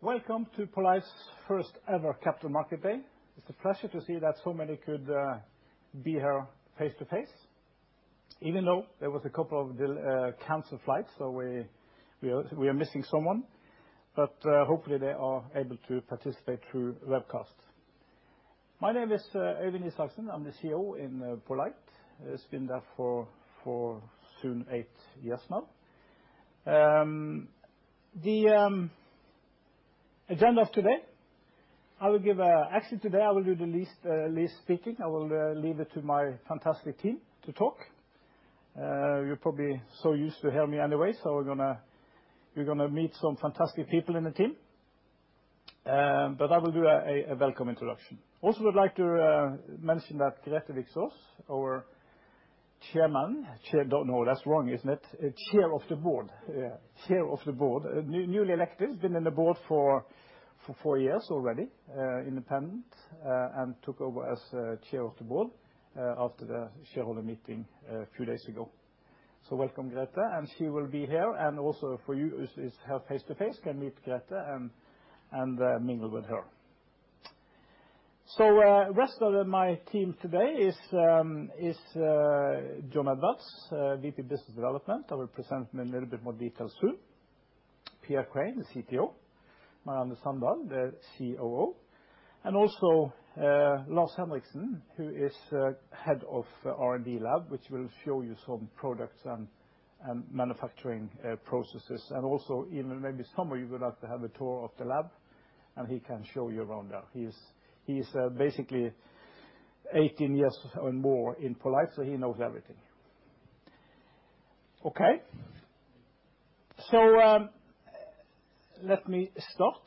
Welcome to poLight's first ever Capital Market Day. It's a pleasure to see that so many could be here face-to-face, even though there was a couple of canceled flights, so we are missing someone, but hopefully they are able to participate through webcast. My name is Øyvind Isaksen. I'm the CEO of poLight. Has been there for soon eight years now. The agenda of today, actually, today I will do the least speaking. I will leave it to my fantastic team to talk. You're probably so used to hear me anyway. You're gonna meet some fantastic people in the team. I will do a welcome introduction. Also would like to mention that Grethe Viksas, our chairman. No, that's wrong, isn't it? Chair of the board. Yeah, chair of the board. Newly elected, been in the board for four years already, independent, and took over as chair of the board after the shareholder meeting a few days ago. Welcome, Grethe Viksås, and she will be here and also for you is here face-to-face, can meet Grethe Viksås and mingle with her. Rest of my team today is Jon Edwards, VP Business Development. I will present him in a little bit more details soon. Pierre Craen, the CTO. Marianne Sandal, the COO. Lars Henriksen, who is head of R&D Lab, which will show you some products and manufacturing processes. Maybe you would like to have a tour of the lab, and he can show you around there. He's basically 18 years and more in poLight, so he knows everything. Okay. Let me start.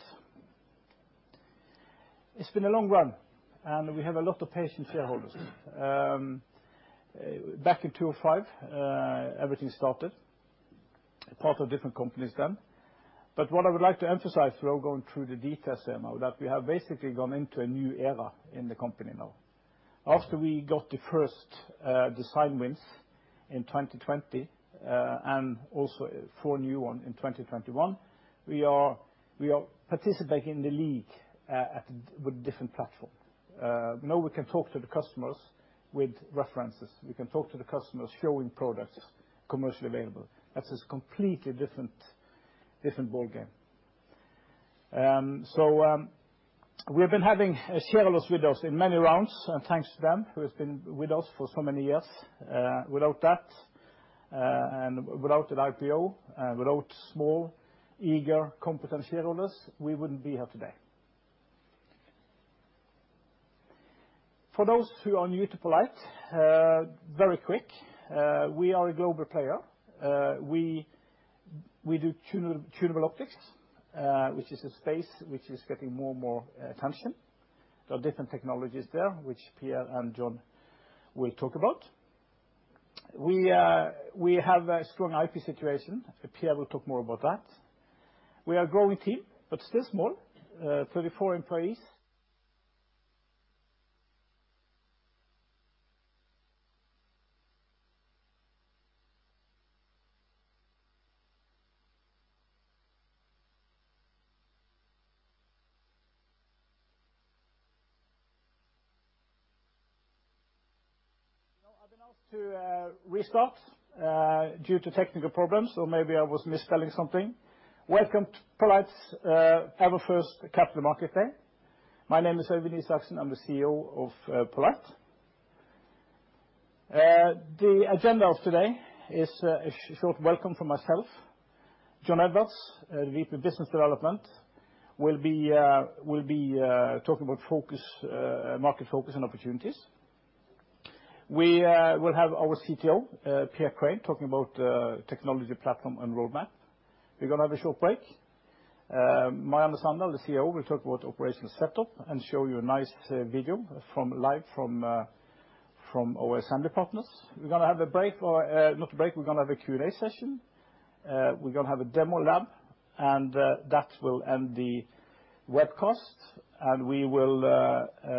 It's been a long run, and we have a lot of patient shareholders. Back in 2005, everything started. Part of different companies then. What I would like to emphasize without going through the details here now, that we have basically gone into a new era in the company now. After we got the first design wins in 2020, and also four new ones in 2021, we are participating in the league with different platform. Now we can talk to the customers with references. We can talk to the customers showing products commercially available. That's a completely different ballgame. We've been having shareholders with us in many rounds, and thanks to them who has been with us for so many years. Without that, and without an IPO, without small, eager, competent shareholders, we wouldn't be here today. For those who are new to poLight, very quick, we are a global player. We do tunable optics, which is a space which is getting more and more attention. There are different technologies there, which Pierre and John will talk about. We have a strong IP situation. Pierre will talk more about that. We are a growing team, but still small, 34 employees. You know, I've been asked to restart due to technical problems, or maybe I was misspelling something. Welcome to poLight's very first Capital Market Day. My name is Øyvind Isaksen. I'm the CEO of poLight. The agenda of today is a short welcome from myself. Jon Edwards, VP, Business Development, will be talking about market focus and opportunities. We will have our CTO, Pierre Craen, talking about technology platform and roadmap. We're gonna have a short break. Marianne Sandal, the COO, will talk about operational setup and show you a nice video live from our assembly partners. We're gonna have a break or not a break, we're gonna have a Q&A session. We're gonna have a demo lab, and that will end the webcast, and we will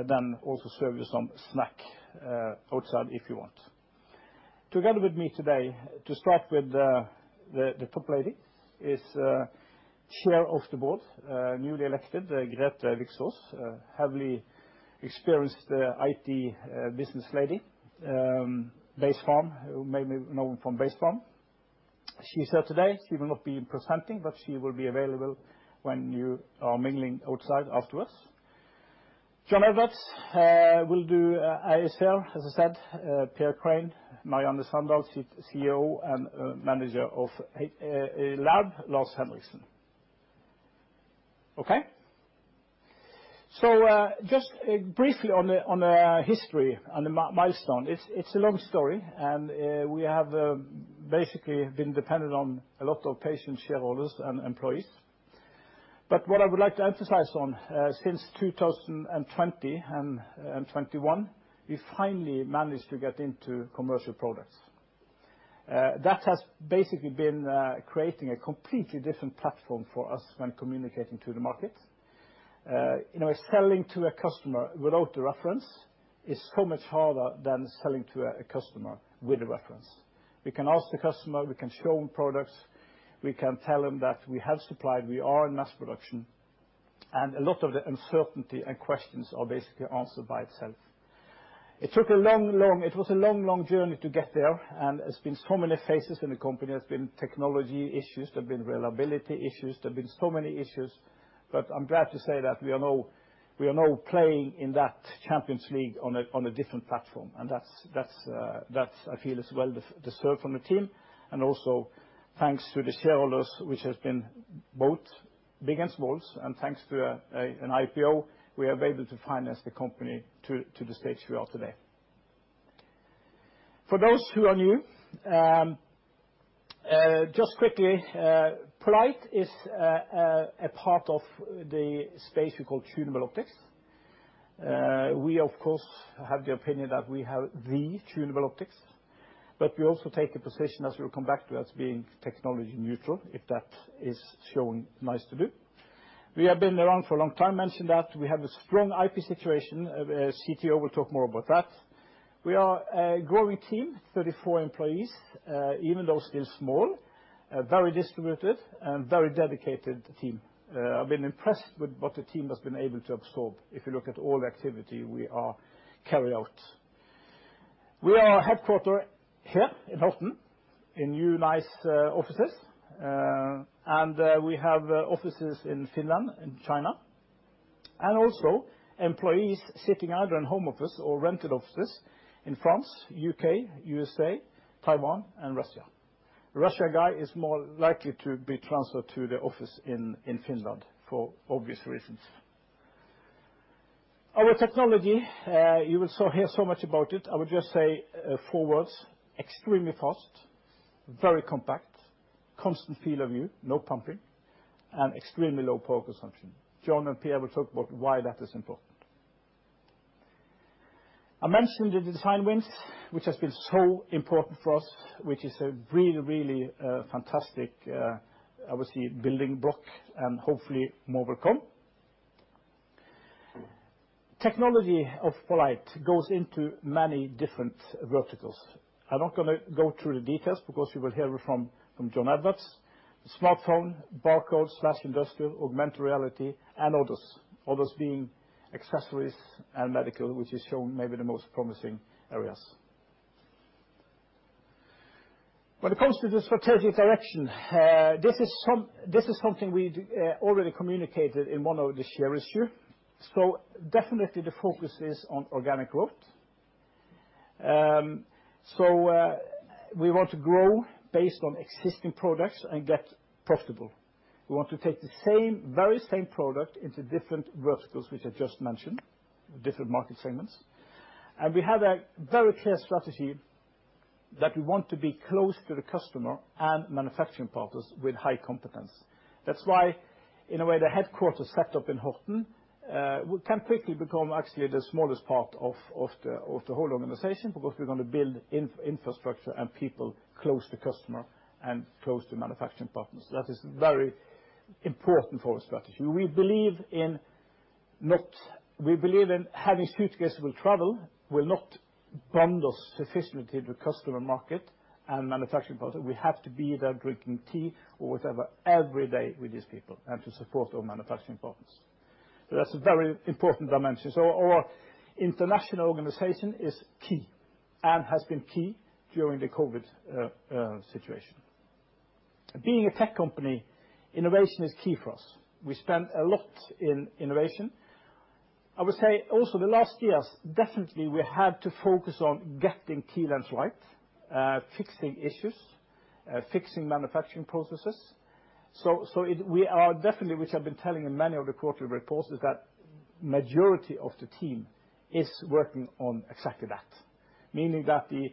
then also serve you some snack outside if you want. Together with me today, to start with, the top lady is Chair of the Board, newly elected, Grethe Viksaas, heavily experienced IT business lady, Basefarm, who you may know from Basefarm. She's here today. She will not be presenting, but she will be available when you are mingling outside afterwards. Jon Edwards will do ASL, as I said, Pierre Craen, Marianne Sandal, COO, and manager of the lab, Lars Henriksen. Okay. Just briefly on the history and the milestone. It's a long story, and we have basically been dependent on a lot of patient shareholders and employees. What I would like to emphasize on since 2020 and 2021, we finally managed to get into commercial products. That has basically been creating a completely different platform for us when communicating to the market. You know, selling to a customer without the reference is so much harder than selling to a customer with a reference. We can ask the customer, we can show them products, we can tell them that we have supplied, we are in mass production, and a lot of the uncertainty and questions are basically answered by itself. It was a long journey to get there, and it's been so many phases in the company. There's been technology issues, there's been reliability issues, there's been so many issues. I'm glad to say that we are now playing in that champions league on a different platform. That's, I feel, well deserved from the team, and also thanks to the shareholders, which has been both big and small. Thanks to an IPO, we are able to finance the company to the stage we are today. For those who are new, just quickly, poLight is a part of the space we call tunable optics. We of course have the opinion that we have the tunable optics, but we also take the position as we'll come back to as being technology neutral, if that is shown necessary to do. We have been around for a long time, as mentioned. We have a strong IP situation. CTO will talk more about that. We are a growing team, 34 employees. Even though still small, very distributed and very dedicated team. I've been impressed with what the team has been able to absorb, if you look at all the activity we are carrying out. We are headquartered here in Horten, in new, nice offices. We have offices in Finland and China, and also employees sitting either in home office or rented offices in France, U.K., USA, Taiwan, and Russia. Russian guy is more likely to be transferred to the office in Finland for obvious reasons. Our technology, you will hear so much about it. I would just say four words, extremely fast, very compact, constant field of view, no pumping, and extremely low power consumption. Jon and Pierre will talk about why that is important. I mentioned the design wins, which has been so important for us, which is a really, really, fantastic, obviously building block and hopefully more will come. Technology of poLight goes into many different verticals. I'm not gonna go through the details because you will hear it from Jon Edwards. Smartphone, barcode/industrial, augmented reality, and others. Others being accessories and medical, which is shown maybe the most promising areas. When it comes to the strategic direction, this is something we already communicated in one of the share issue. Definitely the focus is on organic growth. We want to grow based on existing products and get profitable. We want to take the same, very same product into different verticals, which I just mentioned, different market segments. We have a very clear strategy that we want to be close to the customer and manufacturing partners with high competence. That's why, in a way, the headquarters set up in Horten can quickly become actually the smallest part of the whole organization, because we're gonna build infrastructure and people close to customer and close to manufacturing partners. That is very important for our strategy. We believe in having suitcases will travel, will not bond us sufficiently to customer market and manufacturing partner. We have to be there drinking tea or whatever, every day with these people and to support our manufacturing partners. That's a very important dimension. Our international organization is key and has been key during the COVID situation. Being a tech company, innovation is key for us. We spend a lot in innovation. I would say also the last years, definitely we had to focus on getting TLens right, fixing issues, fixing manufacturing processes. We are definitely, which I've been telling in many of the quarterly reports, is that majority of the team is working on exactly that. Meaning that the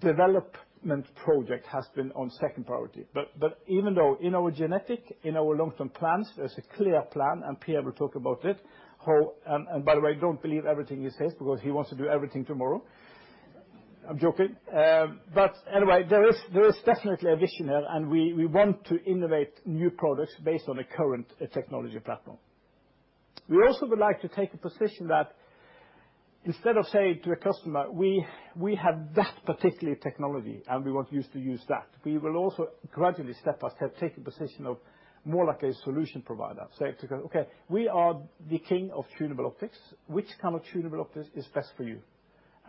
development project has been on second priority. Even though in our agenda, in our long-term plans, there's a clear plan and Per will talk about it, how. By the way, don't believe everything he says because he wants to do everything tomorrow. I'm joking. Anyway, there is definitely a vision here and we want to innovate new products based on a current technology platform. We also would like to take a position that instead of saying to a customer, "We have that particular technology and we want you to use that," we will also gradually step by step take a position of more like a solution provider. Say to them, "Okay, we are the king of tunable optics. Which kind of tunable optics is best for you?"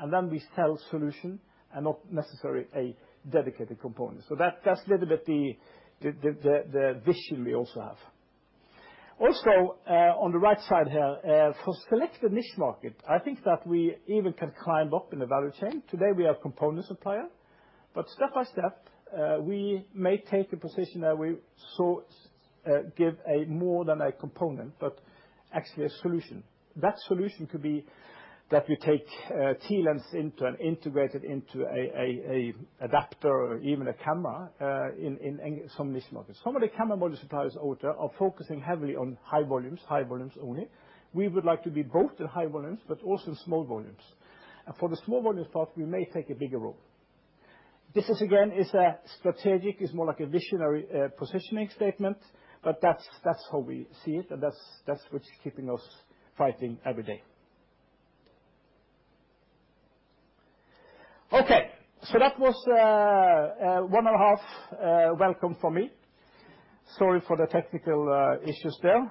Then we sell solution and not necessarily a dedicated component. That’s little bit the vision we also have. Also, on the right side here, for selective niche market, I think that we even can climb up in the value chain. Today we are a component supplier, but step by step we may take a position that we give more than a component, but actually a solution. That solution could be that we take TLens into and integrate it into a adapter or even a camera in some niche markets. Some of the camera module suppliers out there are focusing heavily on high volumes only. We would like to be both the high volumes but also small volumes. For the small volume part, we may take a bigger role. This is again a strategic, it's more like a visionary positioning statement, but that's how we see it, and that's what's keeping us fighting every day. Okay. That was 1.5 welcome from me. Sorry for the technical issues there.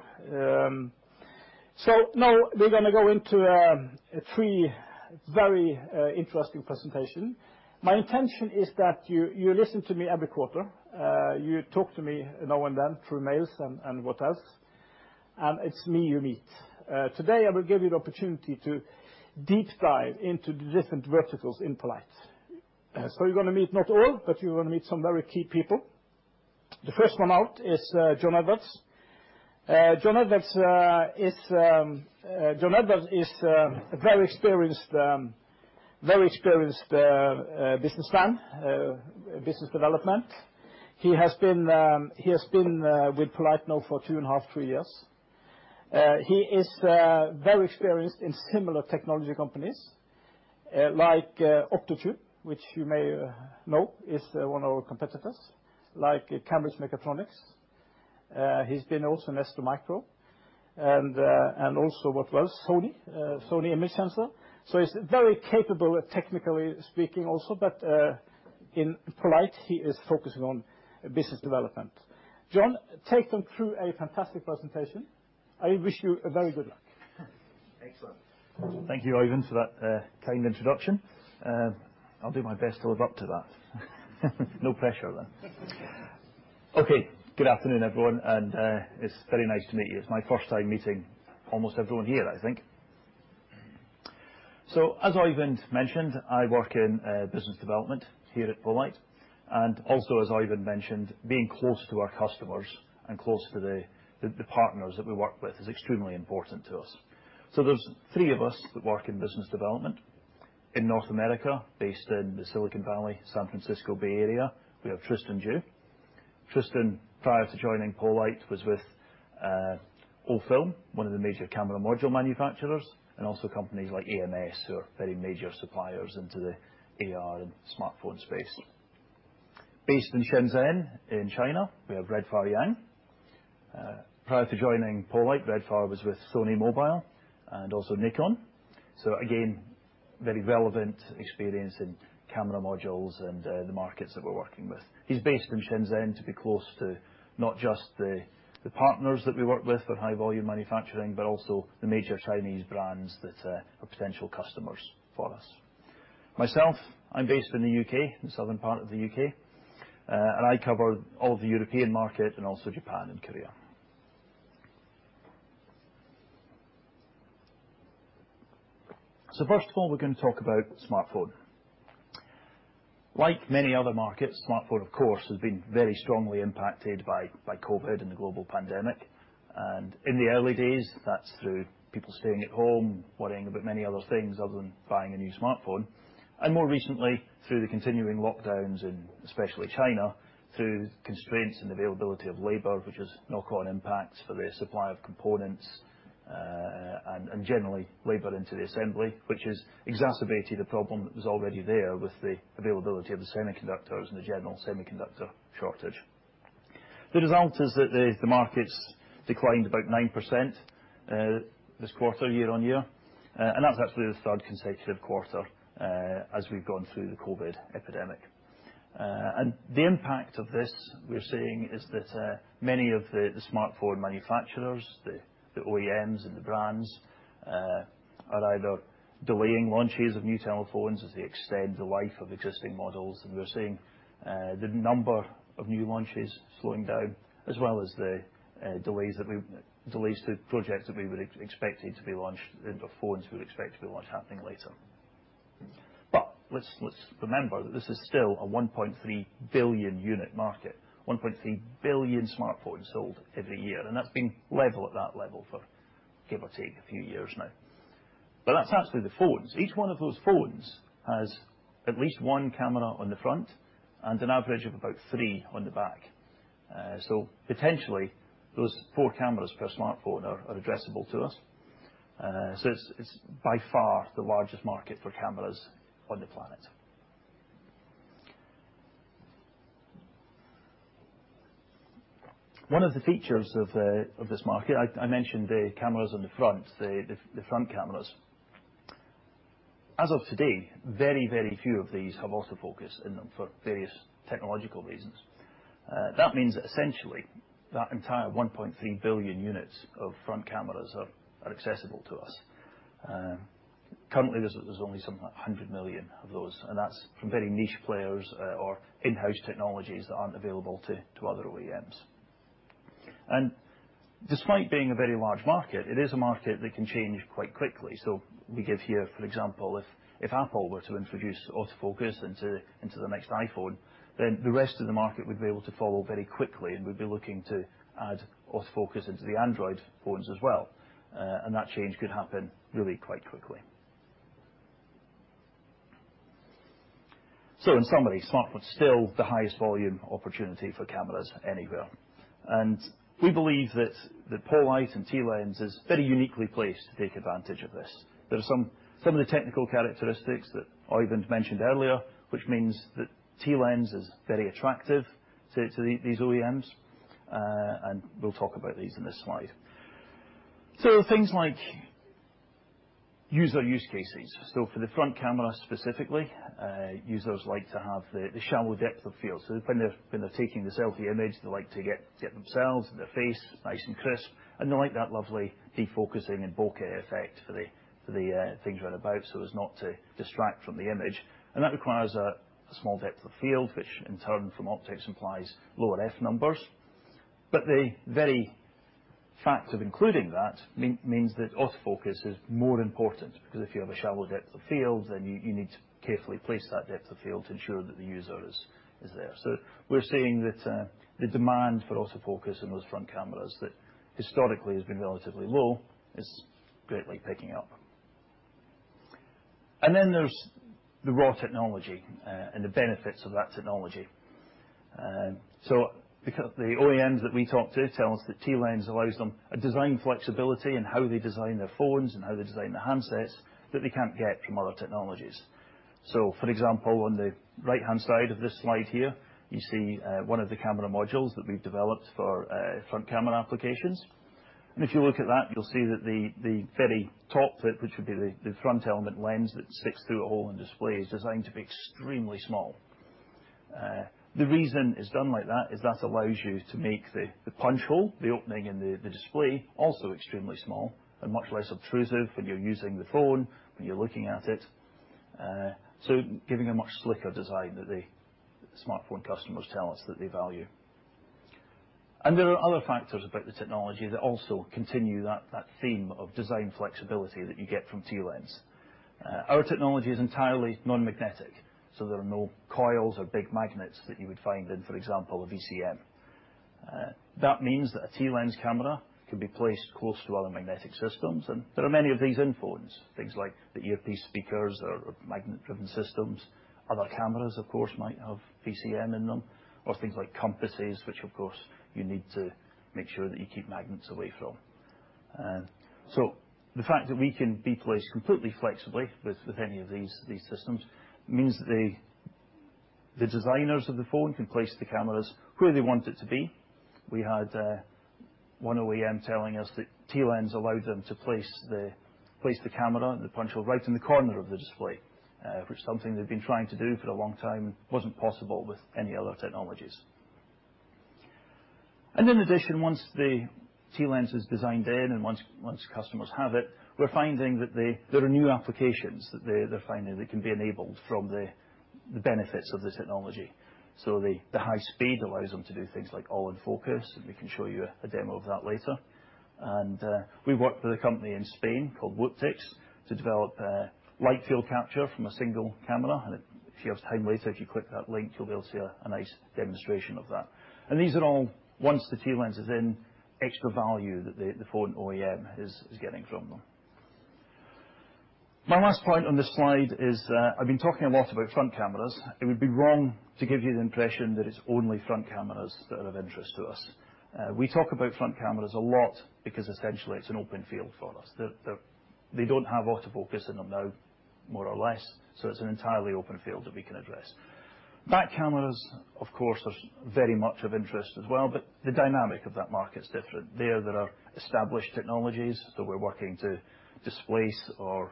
Now we're gonna go into three very interesting presentation. My intention is that you listen to me every quarter, you talk to me now and then through emails and what else, and it's me you meet. Today I will give you the opportunity to deep dive into the different verticals in poLight. So you're gonna meet not all, but you're gonna meet some very key people. The first one out is Jon Edwards. Jon Edwards is a very experienced businessman, business development. He has been with poLight now for 2.5-3 years. He is very experienced in similar technology companies, like Optotune, which you may know is one of our competitors, like Cambridge Mechatronics. He's been also at STMicro and also at Sony Image Sensor. He's very capable technically speaking also, but in poLight, he is focusing on business development. Jon, take them through a fantastic presentation. I wish you a very good luck. Excellent. Thank you, Øyvind, for that kind introduction. I'll do my best to live up to that. No pressure then. Okay. Good afternoon, everyone, and it's very nice to meet you. It's my first time meeting almost everyone here, I think. As Øyvind mentioned, I work in business development here at poLight. And also, as Øyvind mentioned, being close to our customers and close to the partners that we work with is extremely important to us. There's three of us that work in business development. In North America, based in Silicon Valley, San Francisco Bay Area, we have Tristan Ju. Tristan, prior to joining poLight, was with O-Film, one of the major camera module manufacturers, and also companies like AMS, who are very major suppliers into the AR and smartphone space. Based in Shenzhen in China, we have Redfar Yang. Prior to joining poLight, Redfar was with Sony Mobile and also Nikon. Again, very relevant experience in camera modules and the markets that we're working with. He's based in Shenzhen to be close to not just the partners that we work with for high volume manufacturing, but also the major Chinese brands that are potential customers for us. Myself, I'm based in the U.K., the southern part of the U.K., and I cover all the European market and also Japan and Korea. First of all, we're gonna talk about smartphone. Like many other markets, smartphone of course has been very strongly impacted by COVID and the global pandemic. In the early days, that's through people staying at home, worrying about many other things other than buying a new smartphone, and more recently through the continuing lockdowns in especially China, through constraints in availability of labor, which has knock-on impacts for the supply of components, and generally labor into the assembly, which has exacerbated a problem that was already there with the availability of the semiconductors and the general semiconductor shortage. The result is that the market's declined about 9%, this quarter, year-on-year, and that's actually the third consecutive quarter, as we've gone through the COVID epidemic. The impact of this we're seeing is that many of the smartphone manufacturers, the OEMs and the brands, are either delaying launches of new telephones as they extend the life of existing models. We're seeing the number of new launches slowing down as well as the delays to projects that we would expect to be launched and the phones we'd expect to be launched happening later. Let's remember that this is still a 1.3 billion unit market, 1.3 billion smartphones sold every year, and that's been level at that level for give or take a few years now. That's actually the phones. Each one of those phones has at least one camera on the front and an average of about three on the back. So potentially those four cameras per smartphone are addressable to us. It's by far the largest market for cameras on the planet. One of the features of this market, I mentioned the cameras on the front, the front cameras. As of today, very few of these have autofocus in them for various technological reasons. That means that essentially that entire 1.3 billion units of front cameras are accessible to us. Currently, there's only something like 100 million of those, and that's from very niche players or in-house technologies that aren't available to other OEMs. Despite being a very large market, it is a market that can change quite quickly. We give here, for example, if Apple were to introduce autofocus into the next iPhone, then the rest of the market would be able to follow very quickly, and we'd be looking to add autofocus into the Android phones as well. That change could happen really quite quickly. In summary, smartphones still the highest volume opportunity for cameras anywhere. We believe that poLight and TLens is very uniquely placed to take advantage of this. There are some of the technical characteristics that Øyvind mentioned earlier, which means that TLens is very attractive to these OEMs. We'll talk about these in this slide. Things like use cases. For the front camera specifically, users like to have the shallow depth of field. When they're taking the selfie image, they like to get themselves and their face nice and crisp, and they like that lovely defocusing and bokeh effect for the things round about so as not to distract from the image. That requires a small depth of field, which in turn from optics implies lower f-numbers. The very fact of including that means that autofocus is more important, because if you have a shallow depth of field, then you need to carefully place that depth of field to ensure that the user is there. We're seeing that the demand for autofocus in those front cameras that historically has been relatively low is greatly picking up. Then there's our technology and the benefits of that technology. Because the OEMs that we talk to tell us that TLens allows them a design flexibility in how they design their phones and how they design their handsets that they can't get from other technologies. For example, on the right-hand side of this slide here, you see one of the camera modules that we've developed for front camera applications. If you look at that, you'll see that the very top bit, which would be the front element lens that sticks through a hole in display, is designed to be extremely small. The reason it's done like that is that allows you to make the punch hole, the opening in the display, also extremely small and much less obtrusive when you're using the phone, when you're looking at it. Giving a much slicker design that the smartphone customers tell us that they value. There are other factors about the technology that also continue that theme of design flexibility that you get from TLens. Our technology is entirely non-magnetic, so there are no coils or big magnets that you would find in, for example, a VCM. That means that a T-Lens camera can be placed close to other magnetic systems, and there are many of these in phones, things like the earpiece speakers or magnet-driven systems. Other cameras, of course, might have VCM in them, or things like compasses, which of course you need to make sure that you keep magnets away from. The fact that we can be placed completely flexibly with any of these systems means that the designers of the phone can place the cameras where they want it to be. We had one OEM telling us that TLens allowed them to place the camera, the punch hole, right in the corner of the display, which is something they've been trying to do for a long time and wasn't possible with any other technologies. In addition, once the TLens is designed in and once customers have it, we're finding that there are new applications that they're finding that can be enabled from the benefits of the technology. The high speed allows them to do things like all-in-focus, and we can show you a demo of that later. We worked with a company in Spain called Wooptix to develop a light field capture from a single camera. If you have time later, if you click that link, you'll be able to see a nice demonstration of that. These are all, once the TLens is in, extra value that the phone OEM is getting from them. My last point on this slide is that I've been talking a lot about front cameras. It would be wrong to give you the impression that it's only front cameras that are of interest to us. We talk about front cameras a lot because essentially it's an open field for us. They don't have autofocus in them now, more or less, so it's an entirely open field that we can address. Back cameras, of course, are very much of interest as well, but the dynamic of that market's different. There are established technologies that we're working to displace or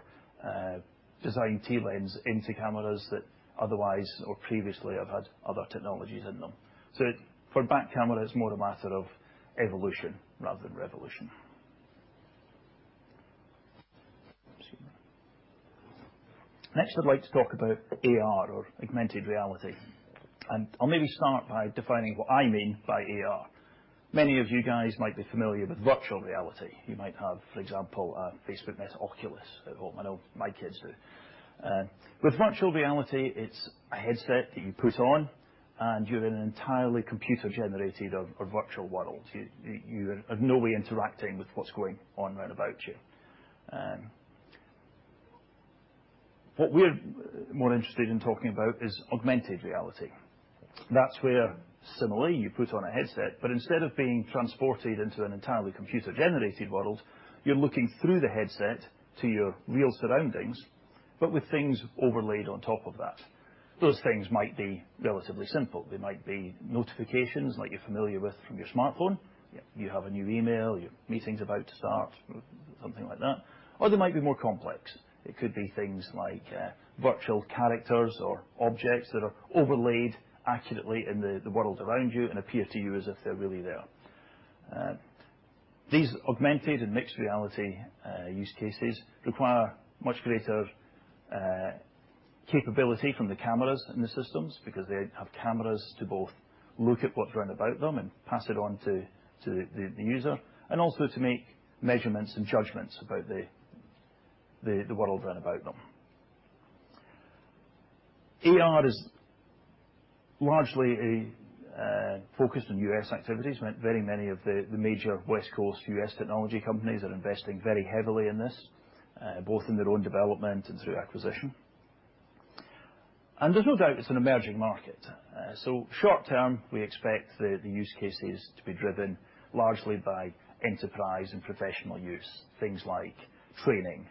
design TLens into cameras that otherwise or previously have had other technologies in them. So for back cameras, it's more a matter of evolution rather than revolution. Excuse me. Next, I'd like to talk about AR or augmented reality, and I'll maybe start by defining what I mean by AR. Many of you guys might be familiar with virtual reality. You might have, for example, a Meta Oculus at home. I know my kids do. With virtual reality, it's a headset that you put on, and you're in an entirely computer-generated or virtual world. You are in no way interacting with what's going on around you. What we're more interested in talking about is augmented reality. That's where similarly you put on a headset, but instead of being transported into an entirely computer-generated world, you're looking through the headset to your real surroundings, but with things overlaid on top of that. Those things might be relatively simple. They might be notifications like you're familiar with from your smartphone. You have a new email, your meeting's about to start, something like that. Or they might be more complex. It could be things like virtual characters or objects that are overlaid accurately in the world around you and appear to you as if they're really there. These augmented and mixed reality use cases require much greater capability from the cameras in the systems because they have cameras to both look at what's round about them and pass it on to the user, and also to make measurements and judgments about the world round about them. AR is largely a focus on U.S. activities. Very many of the major West Coast U.S. technology companies are investing very heavily in this, both in their own development and through acquisition. There's no doubt it's an emerging market. Short term, we expect the use cases to be driven largely by enterprise and professional use, things like training,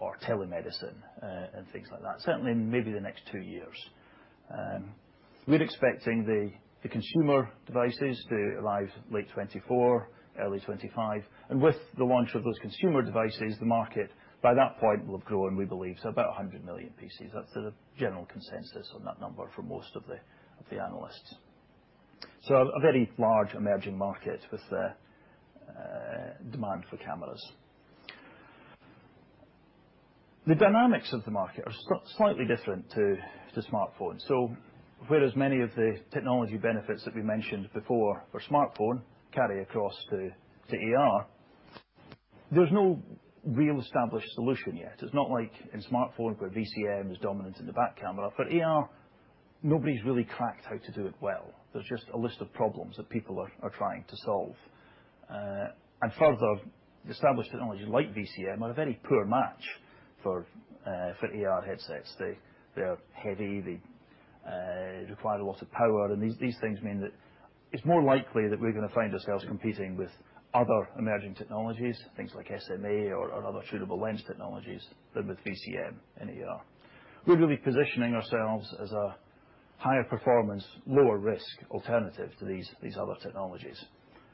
or telemedicine, and things like that. Certainly maybe the next two years. We're expecting the consumer devices to arrive late 2024, early 2025. With the launch of those consumer devices, the market by that point will have grown, we believe, to about 100 million pieces. That's the general consensus on that number for most of the analysts. A very large emerging market with the demand for cameras. The dynamics of the market are slightly different to smartphones. Whereas many of the technology benefits that we mentioned before for smartphone carry across to AR, there's no real established solution yet. It's not like in smartphone where VCM is dominant in the back camera, for AR nobody's really cracked how to do it well. There's just a list of problems that people are trying to solve. Further, established technologies like VCM are a very poor match for AR headsets. They're heavy, they require a lot of power, and these things mean that it's more likely that we're gonna find ourselves competing with other emerging technologies, things like SMA or other shapeable lens technologies than with VCM and AR. We will be positioning ourselves as a higher performance, lower risk alternative to these other technologies.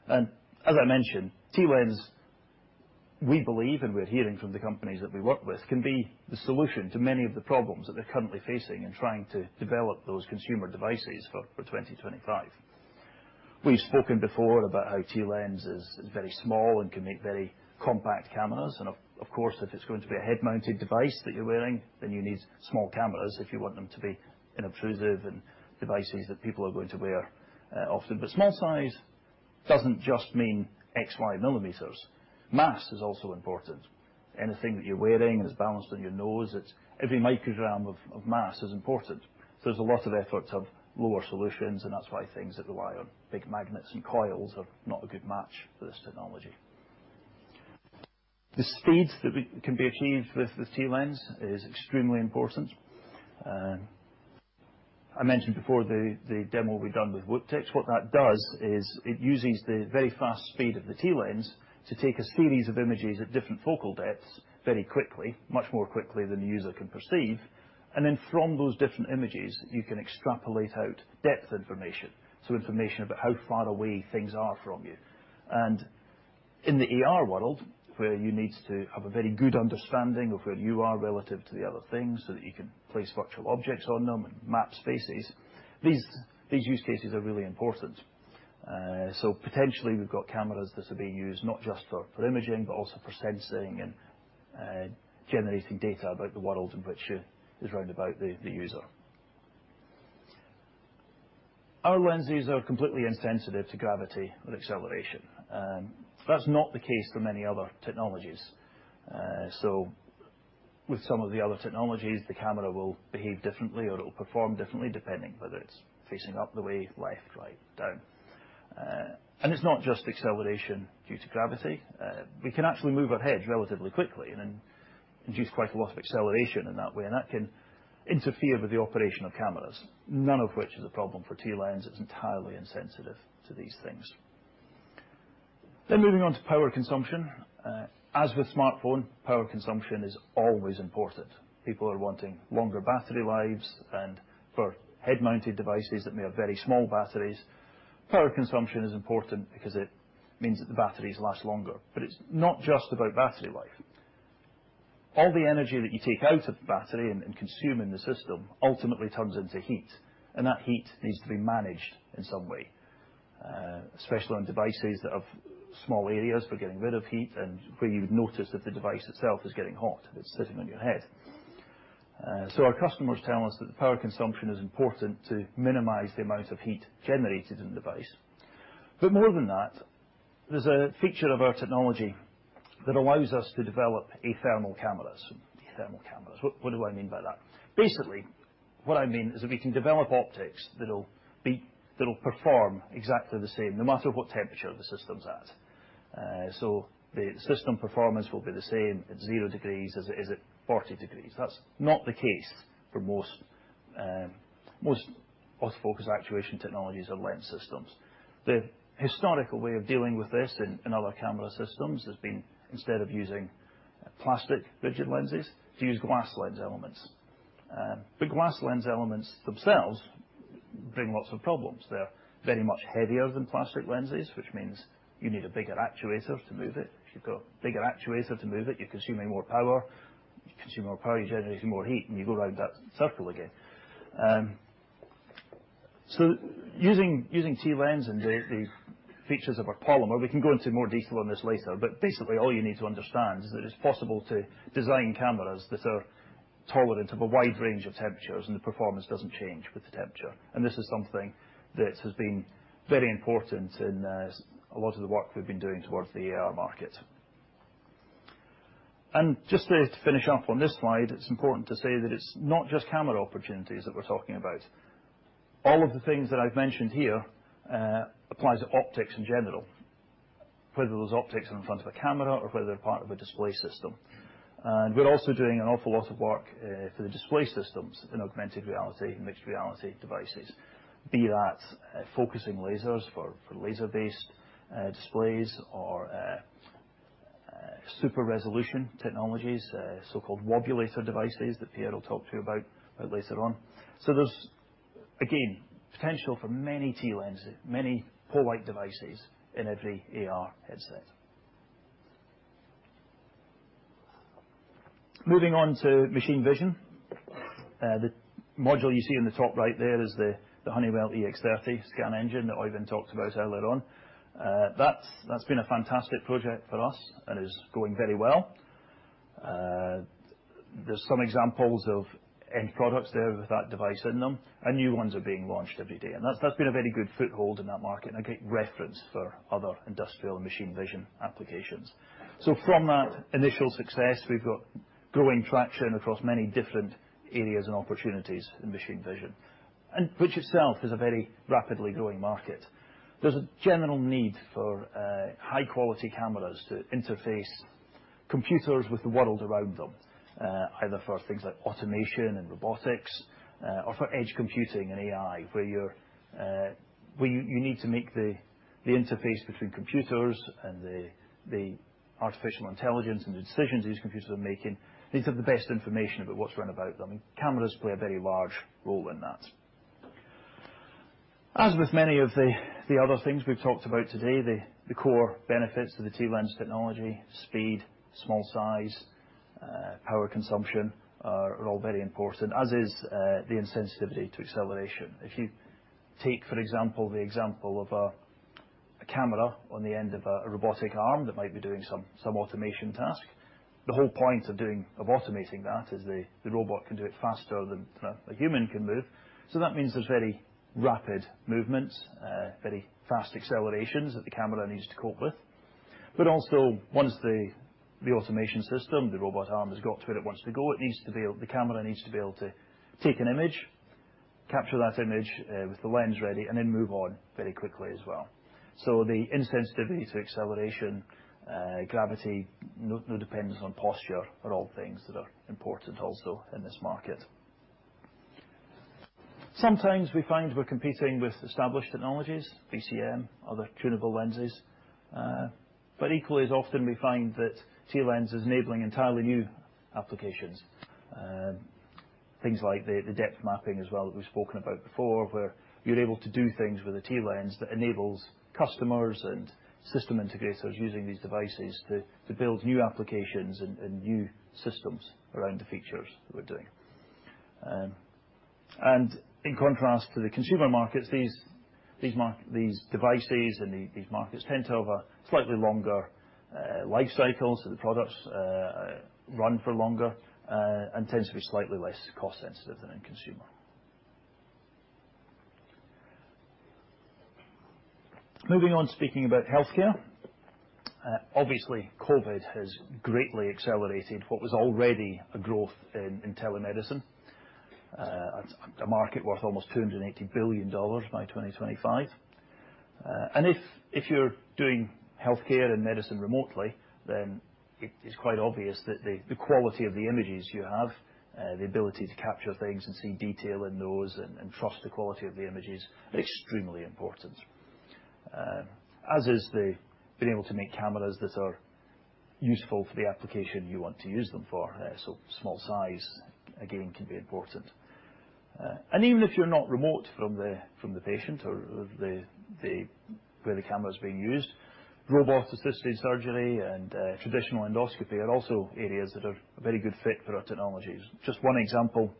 As I mentioned, TLens, we believe, and we're hearing from the companies that we work with, can be the solution to many of the problems that they're currently facing in trying to develop those consumer devices for 2025. We've spoken before about how TLens is very small and can make very compact cameras and of course, if it's going to be a head-mounted device that you're wearing, then you need small cameras if you want them to be unobtrusive and devices that people are going to wear often. Small size doesn't just mean XY millimeters. Mass is also important. Anything that you're wearing is balanced on your nose. It's every microgram of mass is important. There's a lot of efforts to low-mass solutions, and that's why things that rely on big magnets and coils are not a good match for this technology. The speeds that can be achieved with the TLens are extremely important. I mentioned before the demo we've done with Wooptix. What that does is it uses the very fast speed of the TLens to take a series of images at different focal depths very quickly, much more quickly than the user can perceive. From those different images, you can extrapolate out depth information, so information about how far away things are from you. In the AR world, where you need to have a very good understanding of where you are relative to the other things, so that you can place virtual objects on them and map spaces, these use cases are really important. Potentially, we've got cameras that are being used not just for imaging, but also for sensing and generating data about the world in which is round about the user. Our lenses are completely insensitive to gravity and acceleration. That's not the case for many other technologies. With some of the other technologies, the camera will behave differently, or it'll perform differently, depending whether it's facing up the way, left, right, down. It's not just acceleration due to gravity. We can actually move our heads relatively quickly and then induce quite a lot of acceleration in that way, and that can interfere with the operation of cameras, none of which is a problem for TLens. It's entirely insensitive to these things. Moving on to power consumption. As with smartphone, power consumption is always important. People are wanting longer battery lives. For head-mounted devices that may have very small batteries, power consumption is important because it means that the batteries last longer. It's not just about battery life. All the energy that you take out of the battery and consume in the system ultimately turns into heat, and that heat needs to be managed in some way, especially on devices that have small areas for getting rid of heat and where you'd notice that the device itself is getting hot if it's sitting on your head. Our customers tell us that the power consumption is important to minimize the amount of heat generated in the device. More than that, there's a feature of our technology that allows us to develop athermal cameras. Athermal cameras. What do I mean by that? Basically, what I mean is that we can develop optics that'll perform exactly the same no matter what temperature the system's at. The system performance will be the same at zero degrees as at 40 degrees. That's not the case for most autofocus actuation technologies or lens systems. The historical way of dealing with this in other camera systems has been instead of using plastic rigid lenses to use glass lens elements. Glass lens elements themselves bring lots of problems. They're very much heavier than plastic lenses, which means you need a bigger actuator to move it. If you've got a bigger actuator to move it, you're consuming more power. If you consume more power, you're generating more heat, and you go around that circle again. Using TLens and the features of our polymer, we can go into more detail on this later, but basically, all you need to understand is that it's possible to design cameras that are tolerant of a wide range of temperatures, and the performance doesn't change with the temperature. This is something that has been very important in a lot of the work we've been doing towards the AR market. Just to finish up on this slide, it's important to say that it's not just camera opportunities that we're talking about. All of the things that I've mentioned here applies to optics in general. Whether those optics are in front of a camera or whether they're part of a display system. We're also doing an awful lot of work for the display systems in augmented reality and mixed reality devices, be that focusing lasers for laser-based displays or super resolution technologies, so-called wobulator devices that Pierre will talk to you about later on. There's, again, potential for many TLens, many poLight devices in every AR headset. Moving on to machine vision. The module you see in the top right there is the Honeywell EX30 scan engine that Øyvind Isaksen talked about earlier on. That's been a fantastic project for us and is going very well. There's some examples of end products there with that device in them, and new ones are being launched every day. That's been a very good foothold in that market and a great reference for other industrial and machine vision applications. From that initial success, we've got growing traction across many different areas and opportunities in machine vision, and which itself is a very rapidly growing market. There's a general need for high-quality cameras to interface computers with the world around them, either for things like automation and robotics, or for edge computing and AI, where you need to make the interface between computers and the artificial intelligence and the decisions these computers are making, needs to have the best information about what's around about them, and cameras play a very large role in that. As with many of the other things we've talked about today, the core benefits of the TLens technology, speed, small size, power consumption are all very important, as is the insensitivity to acceleration. If you take, for example, the example of a camera on the end of a robotic arm that might be doing some automation task, the whole point of automating that is the robot can do it faster than a human can move. That means there's very rapid movements, very fast accelerations that the camera needs to cope with. Also once the automation system, the robot arm, has got to where it wants to go, the camera needs to be able to take an image, capture that image, with the lens ready, and then move on very quickly as well. The insensitivity to acceleration, gravity, no dependence on posture are all things that are important also in this market. Sometimes we find we're competing with established technologies, VCM, other tunable lenses. Equally as often, we find that TLens is enabling entirely new applications. Things like the depth mapping as well that we've spoken about before, where you're able to do things with a TLens that enables customers and system integrators using these devices to build new applications and new systems around the features that we're doing. In contrast to the consumer markets, these markets tend to have a slightly longer life cycles, so the products run for longer and tends to be slightly less cost-sensitive than in consumer. Moving on, speaking about healthcare. Obviously, COVID has greatly accelerated what was already a growth in telemedicine, a market worth almost $280 billion by 2025. If you're doing healthcare and medicine remotely, then it is quite obvious that the quality of the images you have, the ability to capture things and see detail in those and trust the quality of the images are extremely important. As is the being able to make cameras that are useful for the application you want to use them for. Small size, again, can be important. Even if you're not remote from the patient or where the camera's being used, robot-assisted surgery and traditional endoscopy are also areas that are a very good fit for our technologies. Just one example,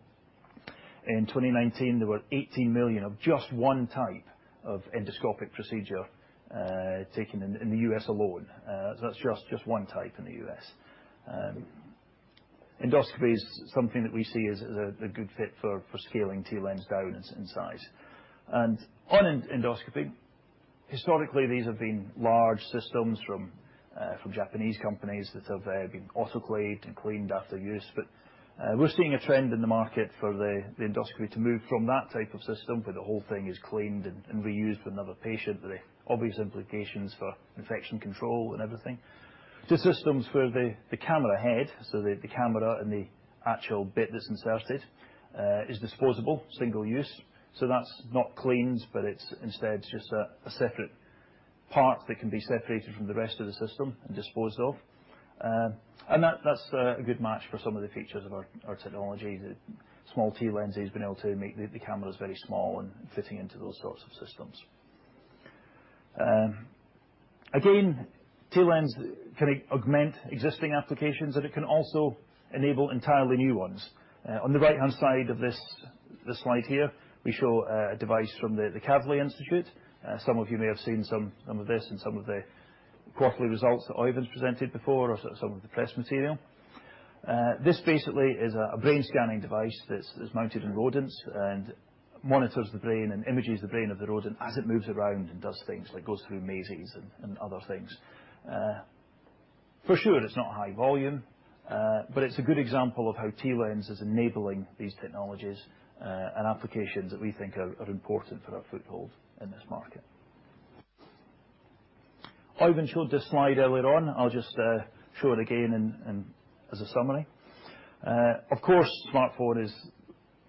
in 2019, there were 18 million of just one type of endoscopic procedure taken in the U.S. alone. That's just one type in the U.S. Endoscopy is something that we see as a good fit for scaling TLens down in size. On endoscopy, historically, these have been large systems from Japanese companies that have been autoclaved and cleaned after use. We're seeing a trend in the market for the endoscopy to move from that type of system, where the whole thing is cleaned and reused for another patient with the obvious implications for infection control and everything. The systems where the camera head, so the camera and the actual bit that's inserted is disposable, single use, so that's not cleaned, but it's instead just a separate part that can be separated from the rest of the system and disposed of. That's a good match for some of the features of our technology. The small TLens has been able to make the cameras very small and fitting into those sorts of systems. Again, TLens can augment existing applications, and it can also enable entirely new ones. On the right-hand side of this slide here, we show a device from the Kavli Institute. Some of you may have seen some of this in some of the quarterly results that Øyvind's presented before or some of the press material. This basically is a brain scanning device that's mounted in rodents and monitors the brain and images the brain of the rodent as it moves around and does things like goes through mazes and other things. For sure it's not high volume, but it's a good example of how TLens is enabling these technologies and applications that we think are important for our foothold in this market. Øyvind showed this slide earlier. I'll just show it again and as a summary. Of course, smartphone is,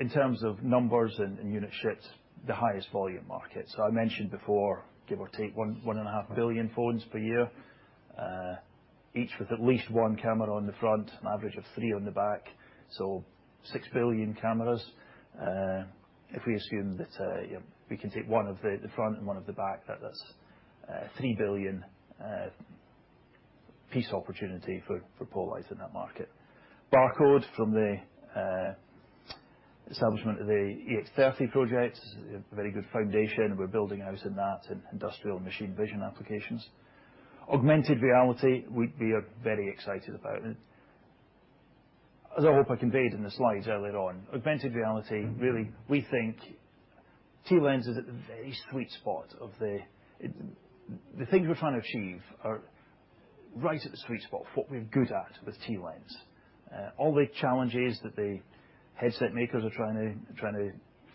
in terms of numbers and unit shifts, the highest volume market. I mentioned before, give or take, 1 to 1.5 billion phones per year, each with at least one camera on the front, an average of 3 on the back. 6 billion cameras. If we assume that we can take one of the front and one of the back, that's 3 billion piece opportunity for poLight in that market. From the establishment of the EX30 projects, a very good foundation we're building out in that, in industrial machine vision applications. Augmented reality, we are very excited about. As I hope I conveyed in the slides earlier on, augmented reality, really, we think TLens is at the very sweet spot of the things we're trying to achieve are right at the sweet spot for what we're good at with TLens. All the challenges that the headset makers are trying to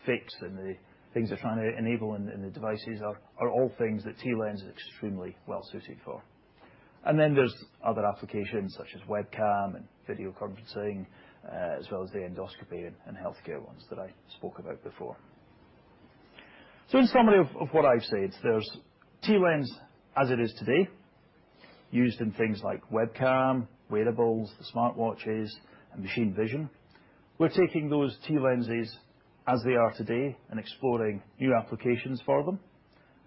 fix and the things they're trying to enable in the devices are all things that TLens is extremely well-suited for. Then there's other applications such as webcam and video conferencing, as well as the endoscopy and healthcare ones that I spoke about before. In summary of what I've said, there's TLens as it is today, used in things like webcam, wearables, smartwatches, and machine vision. We're taking those TLenses as they are today and exploring new applications for them.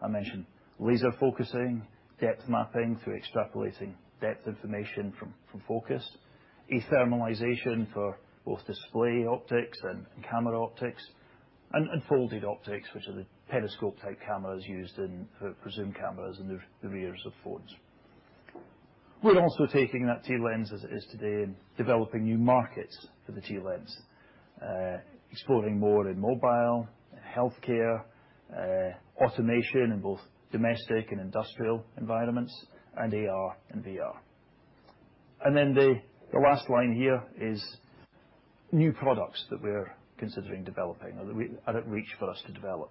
I mentioned laser focusing, depth mapping through extrapolating depth information from focus, athermalization for both display optics and camera optics, and folded optics, which are the periscope-type cameras used for zoom cameras in the rears of phones. We're also taking that TLens as it is today and developing new markets for the TLens, exploring more in mobile, in healthcare, automation in both domestic and industrial environments, and AR and VR. The last line here is new products that we're considering developing or that we are within reach for us to develop.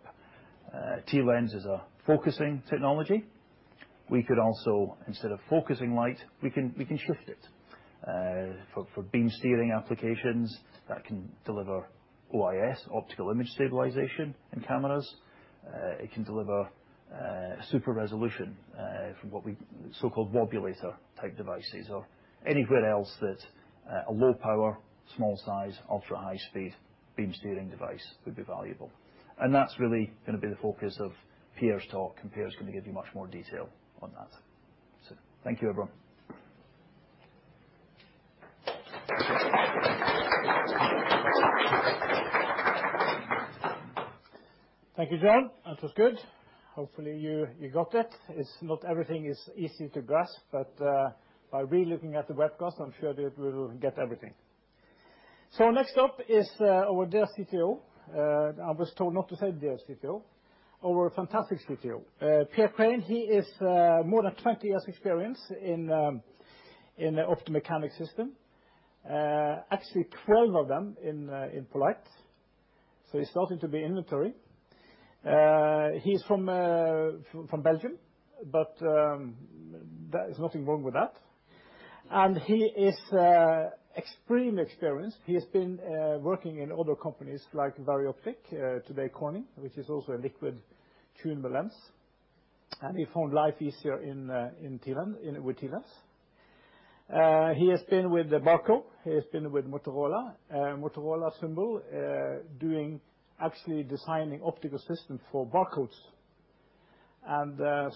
TLens is a focusing technology. We could also, instead of focusing light, we can shift it for beam steering applications that can deliver OIS, optical image stabilization, in cameras. It can deliver super resolution for so-called wobulator type devices or anywhere else that a low power, small size, ultra high speed beam steering device would be valuable. That's really going to be the focus of Pierre's talk, and Pierre's going to give you much more detail on that. Thank you, everyone. Thank you, Jon. That was good. Hopefully, you got it. It's not everything is easy to grasp, but by relooking at the webcast, I'm sure that we will get everything. Next up is our dear CTO. I was told not to say dear CTO, our fantastic CTO. Pierre Craen, he is more than 20 years experience in optomechanics system. Actually 12 of them in poLight. He's starting to be an inventor. He's from Belgium, but there is nothing wrong with that. He is extremely experienced. He has been working in other companies like Varioptic, today Corning, which is also a liquid tunable lens, and he found life easier in with TLens. He has been with Barco, he has been with Motorola Symbol, doing actually designing optical system for barcodes.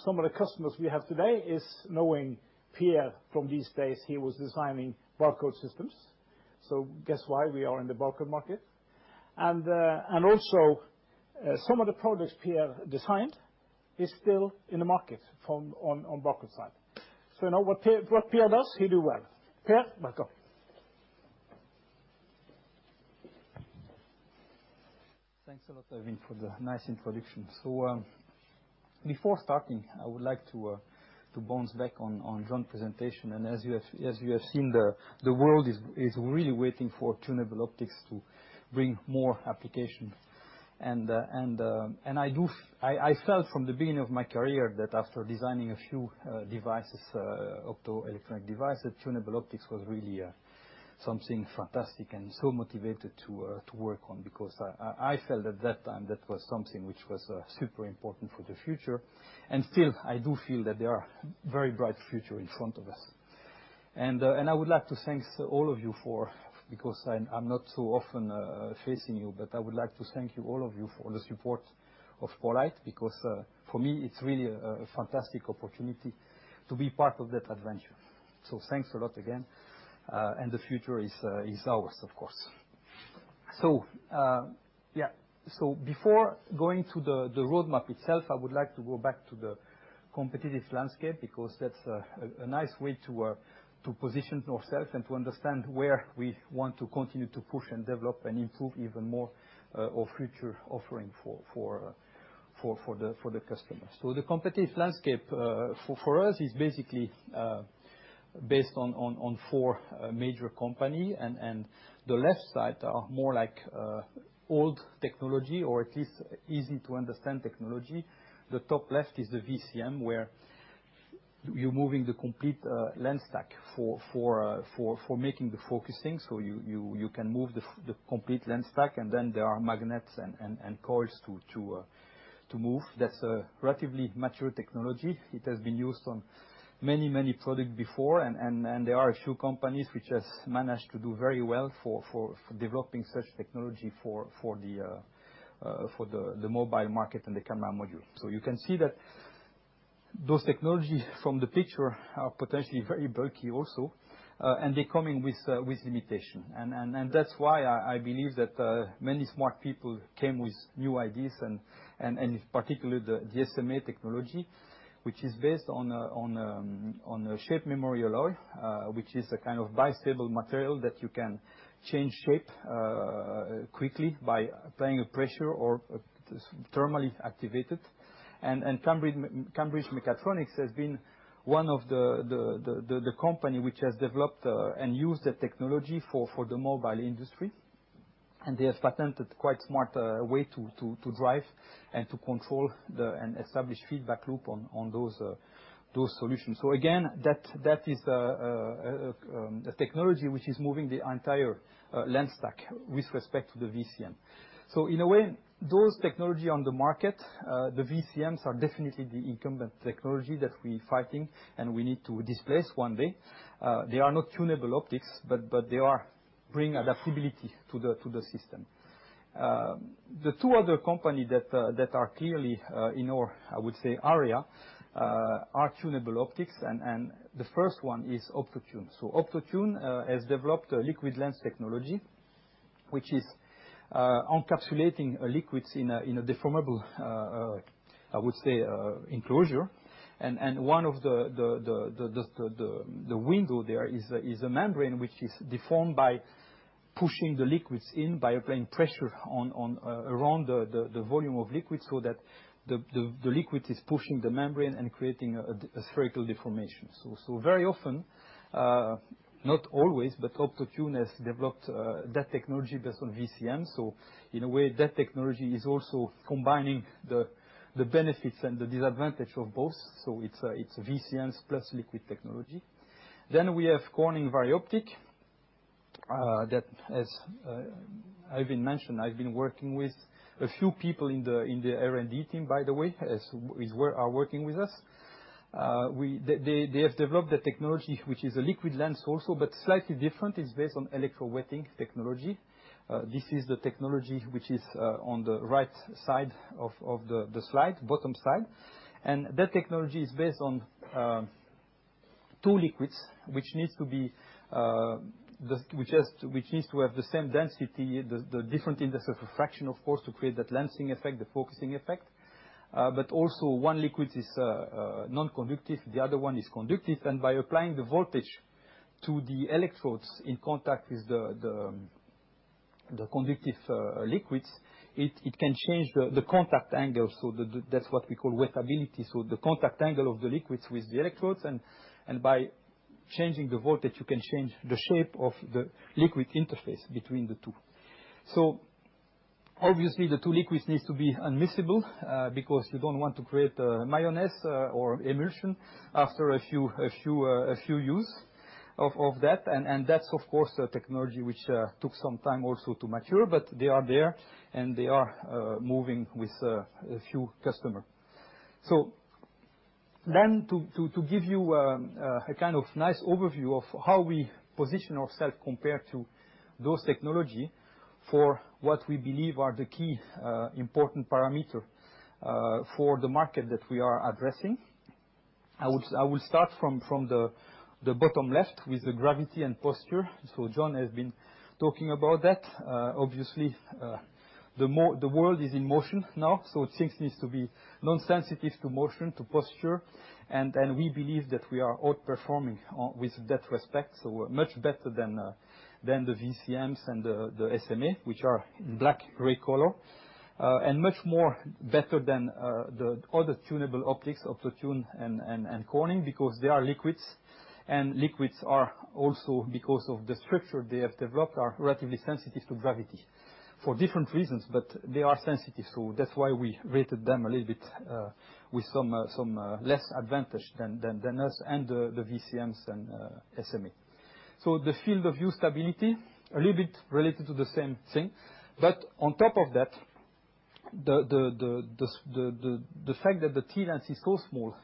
Some of the customers we have today is knowing Pierre from these days, he was designing barcode systems. Guess why we are in the barcode market. Some of the products Pierre designed is still in the market from on barcode side. Now what Pierre does, he do well. Pierre, welcome. Thanks a lot, Øyvind, for the nice introduction. Before starting, I would like to bounce back on Jon's presentation. As you have seen, the world is really waiting for tunable optics to bring more applications. I felt from the beginning of my career that after designing a few optoelectronic devices, tunable optics was really something fantastic and so motivated to work on because I felt at that time that was something which was super important for the future. Still, I do feel that there are very bright future in front of us. I would like to thank all of you for, because I'm not so often facing you, but I would like to thank you all for the support of poLight, because for me, it's really a fantastic opportunity to be part of that adventure. Thanks a lot again, and the future is ours, of course. Before going to the roadmap itself, I would like to go back to the competitive landscape because that's a nice way to position ourselves and to understand where we want to continue to push and develop and improve even more our future offering for the customers. The competitive landscape for us is basically based on four major company and the left side are more like old technology, or at least easy-to-understand technology. The top left is the VCM, where you're moving the complete lens stack for making the focusing. You can move the complete lens stack, and then there are magnets and coils to move. That's a relatively mature technology. It has been used on many product before, and there are a few companies which has managed to do very well for developing such technology for the mobile market and the camera module. You can see that those technologies from the picture are potentially very bulky also, and they're coming with limitations. That's why I believe that many smart people came with new ideas and particularly the SMA technology, which is based on a shape memory alloy, which is a kind of bistable material that you can change shape quickly by applying a pressure or it is thermally activated. Cambridge Mechatronics has been one of the companies which has developed and used the technology for the mobile industry. They have patented quite smart way to drive and to control and establish feedback loop on those solutions. Again, that is a technology which is moving the entire lens stack with respect to the VCM. In a way, those technologies on the market, the VCMs are definitely the incumbent technology that we fighting and we need to displace one day. They are not tunable optics, but they are bringing adaptability to the system. The two other companies that are clearly in our area are tunable optics and the first one is Optotune. Optotune has developed a liquid lens technology, which is encapsulating liquids in a deformable enclosure. One of the windows there is a membrane which is deformed by pushing the liquids in, by applying pressure on around the volume of liquid so that the liquid is pushing the membrane and creating a spherical deformation. Very often, not always, but Optotune has developed that technology based on VCM. In a way, that technology is also combining the benefits and the disadvantage of both. It's VCMs plus liquid technology. We have Corning Varioptic, that, as I've mentioned, I've been working with a few people in the R&D team, by the way, are working with us. They have developed a technology which is a liquid lens also, but slightly different. It's based on electrowetting technology. This is the technology which is on the right side of the slide, bottom side. That technology is based on two liquids, which needs to have the same density, the different index of refraction, of course, to create that lensing effect, the focusing effect. But also one liquid is non-conductive, the other one is conductive. By applying the voltage to the electrodes in contact with the conductive liquids, it can change the contact angle. That's what we call wettability. The contact angle of the liquids with the electrodes, and by changing the voltage, you can change the shape of the liquid interface between the two. Obviously the two liquids need to be unmixable, because you don't want to create mayonnaise or emulsion after a few uses of that. That's, of course, a technology which took some time also to mature, but they are there, and they are moving with a few customers. To give you a kind of nice overview of how we position ourselves compared to those technologies for what we believe are the key important parameters for the market that we are addressing. I will start from the bottom left with the gravity and power. Jon has been talking about that. Obviously, the world is in motion now, so things needs to be non-sensitive to motion, to posture, and we believe that we are outperforming with that respect. Much better than the VCMs and the SMA, which are in black-gray color, and much more better than the other tunable optics, Optotune and Corning, because they are liquids. Liquids are also, because of the structure they have developed, relatively sensitive to gravity for different reasons, but they are sensitive. That's why we rated them a little bit with some less advantage than us and the VCMs and SMA. The field of view stability, a little bit related to the same thing. On top of that, the fact that the TLens is so small,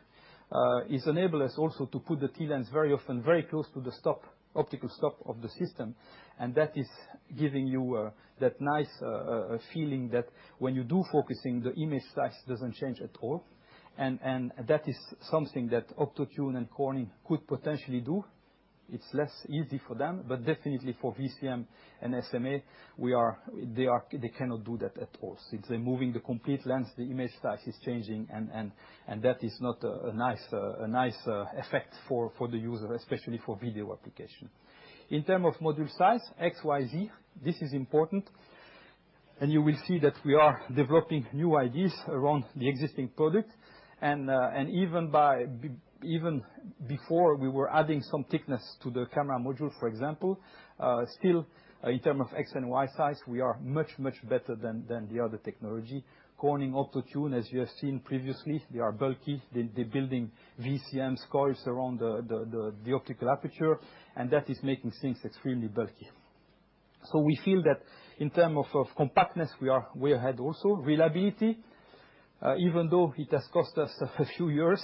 it enable us also to put the TLens very often, very close to the stop, optical stop of the system. That is giving you that nice feeling that when you do focusing, the image size doesn't change at all. That is something that Optotune and Corning could potentially do. It's less easy for them, but definitely for VCM and SMA, they cannot do that at all. Since they're moving the complete lens, the image size is changing and that is not a nice effect for the user, especially for video application. In terms of module size, X, Y, Z, this is important. You will see that we are developing new ideas around the existing product, and even before we were adding some thickness to the camera module, for example, still in terms of X and Y size, we are much better than the other technology. Corning, Optotune, as you have seen previously, they are bulky. They build VCM coils around the optical aperture, and that is making things extremely bulky. In terms of compactness, we are way ahead also. Reliability, even though it has cost us a few years,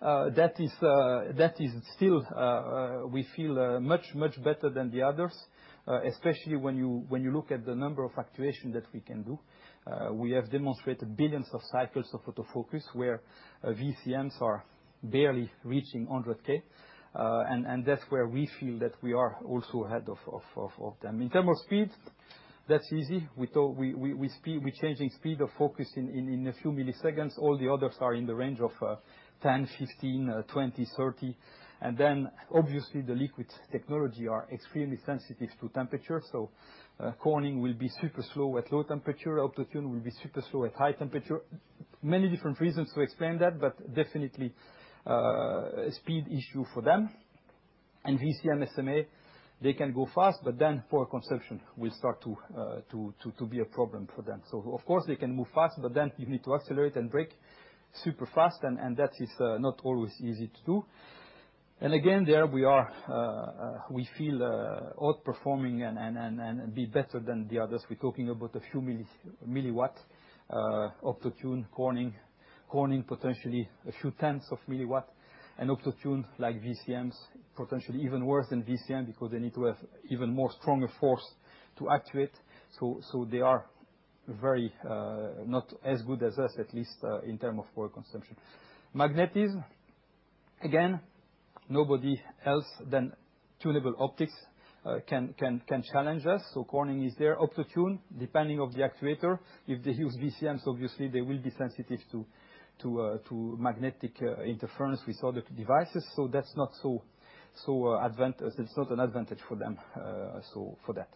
that is still we feel much better than the others, especially when you look at the number of actuations that we can do. We have demonstrated billions of cycles of autofocus where VCMs are barely reaching 100,000. That's where we feel that we are also ahead of them. In terms of speed, that's easy. We change speed of focus in a few milliseconds. All the others are in the range of 10, 15, 20, 30. Obviously, the liquid technology are extremely sensitive to temperature, so Corning will be super slow at low temperature. Optotune will be super slow at high temperature. Many different reasons to explain that, but definitely a speed issue for them. VCM, SMA, they can go fast, but then power consumption will start to be a problem for them. Of course, they can move fast, but then you need to accelerate and brake super fast, and that is not always easy to do. Again, there we are, we feel outperforming and be better than the others. We're talking about a few milliwatt. Optotune, Corning. Corning, potentially a few tenths of milliwatt. Optotune, like VCMs, potentially even worse than VCM because they need to have even more stronger force to actuate, so they are very not as good as us, at least, in term of power consumption. Magnetism, again, nobody else than tunable optics can challenge us, so Corning is there. Optotune, depending on the actuator, if they use VCMs, obviously they will be sensitive to magnetic interference with other devices, so that's not so advantageous. It's not an advantage for them, so for that.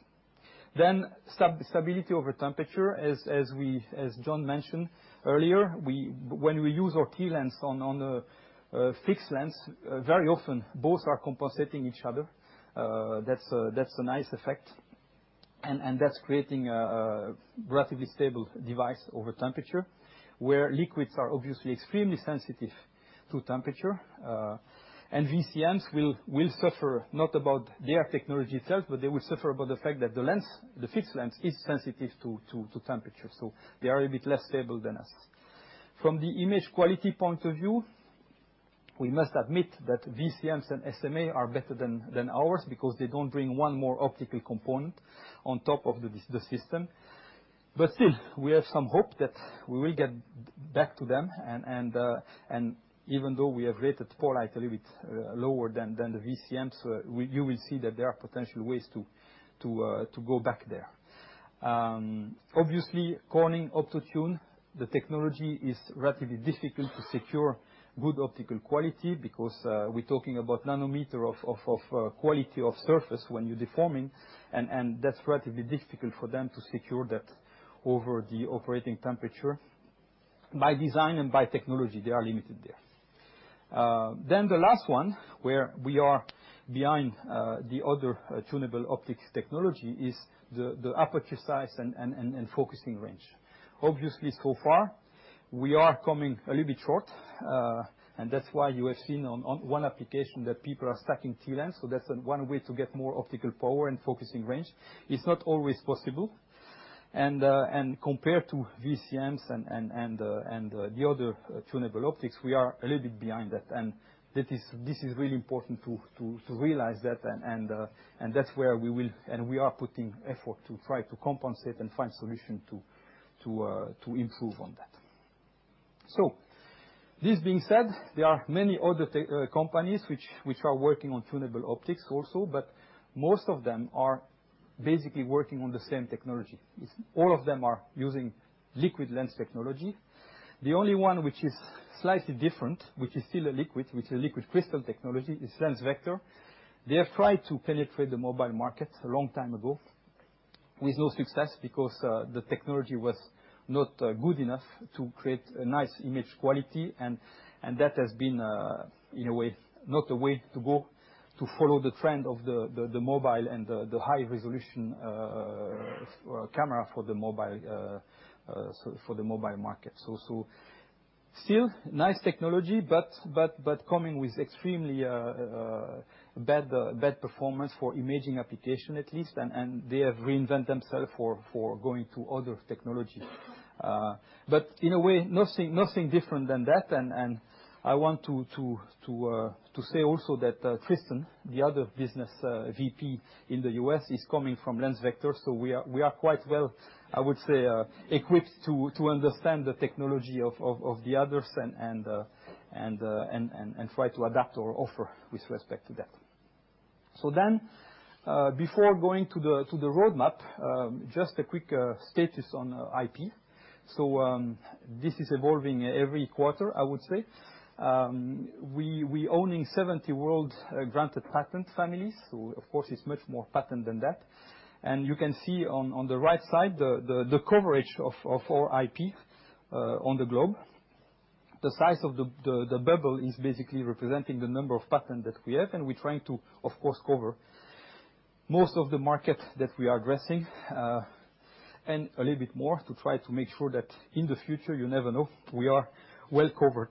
Stability over temperature. As we, as Jon mentioned earlier, when we use our TLens on a fixed lens, very often both are compensating each other. That's a nice effect. That's creating a relatively stable device over temperature, where liquids are obviously extremely sensitive to temperature. VCMs will suffer, not about their technology itself, but they will suffer from the fact that the lens, the fixed lens is sensitive to temperature, so they are a bit less stable than us. From the image quality point of view, we must admit that VCMs and SMA are better than ours because they don't bring one more optical component on top of the system. Still, we have some hope that we will get back to them. Even though we have rated power a little bit lower than the VCMs, you will see that there are potential ways to go back there. Obviously, Corning, Optotune, the technology is relatively difficult to secure good optical quality because we're talking about nanometer of quality of surface when you're deforming and that's relatively difficult for them to secure that over the operating temperature. By design and by technology, they are limited there. The last one, where we are behind the other tunable optics technology is the aperture size and focusing range. Obviously, so far we are coming a little bit short, and that's why you have seen on one application that people are stacking TLens. That's one way to get more optical power and focusing range. It's not always possible. Compared to VCMs and the other tunable optics, we are a little bit behind that. This is really important to realize that, and that's where we will and we are putting effort to try to compensate and find solution to improve on that. This being said, there are many other companies which are working on tunable optics also, but most of them are basically working on the same technology. It's all of them are using liquid lens technology. The only one which is slightly different, which is still a liquid, which is a liquid crystal technology, is LensVector. They have tried to penetrate the mobile market a long time ago with no success because the technology was not good enough to create a nice image quality and that has been in a way not the way to go to follow the trend of the mobile and the high resolution camera for the mobile so for the mobile market. Still nice technology, but coming with extremely bad performance for imaging application at least. They have reinvent themselves for going to other technology. But in a way, nothing different than that. I want to say also that Tristan, the other business VP in the US, is coming from LensVector, so we are quite well, I would say, equipped to understand the technology of the others and try to adapt our offer with respect to that. Before going to the roadmap, just a quick status on IP. This is evolving every quarter, I would say. We own 70 worldwide granted patent families, so of course it's much more patents than that. You can see on the right side the coverage of our IP on the globe. The size of the bubble is basically representing the number of patents that we have, and we're trying to of course cover most of the market that we are addressing, and a little bit more to try to make sure that in the future, you never know, we are well-covered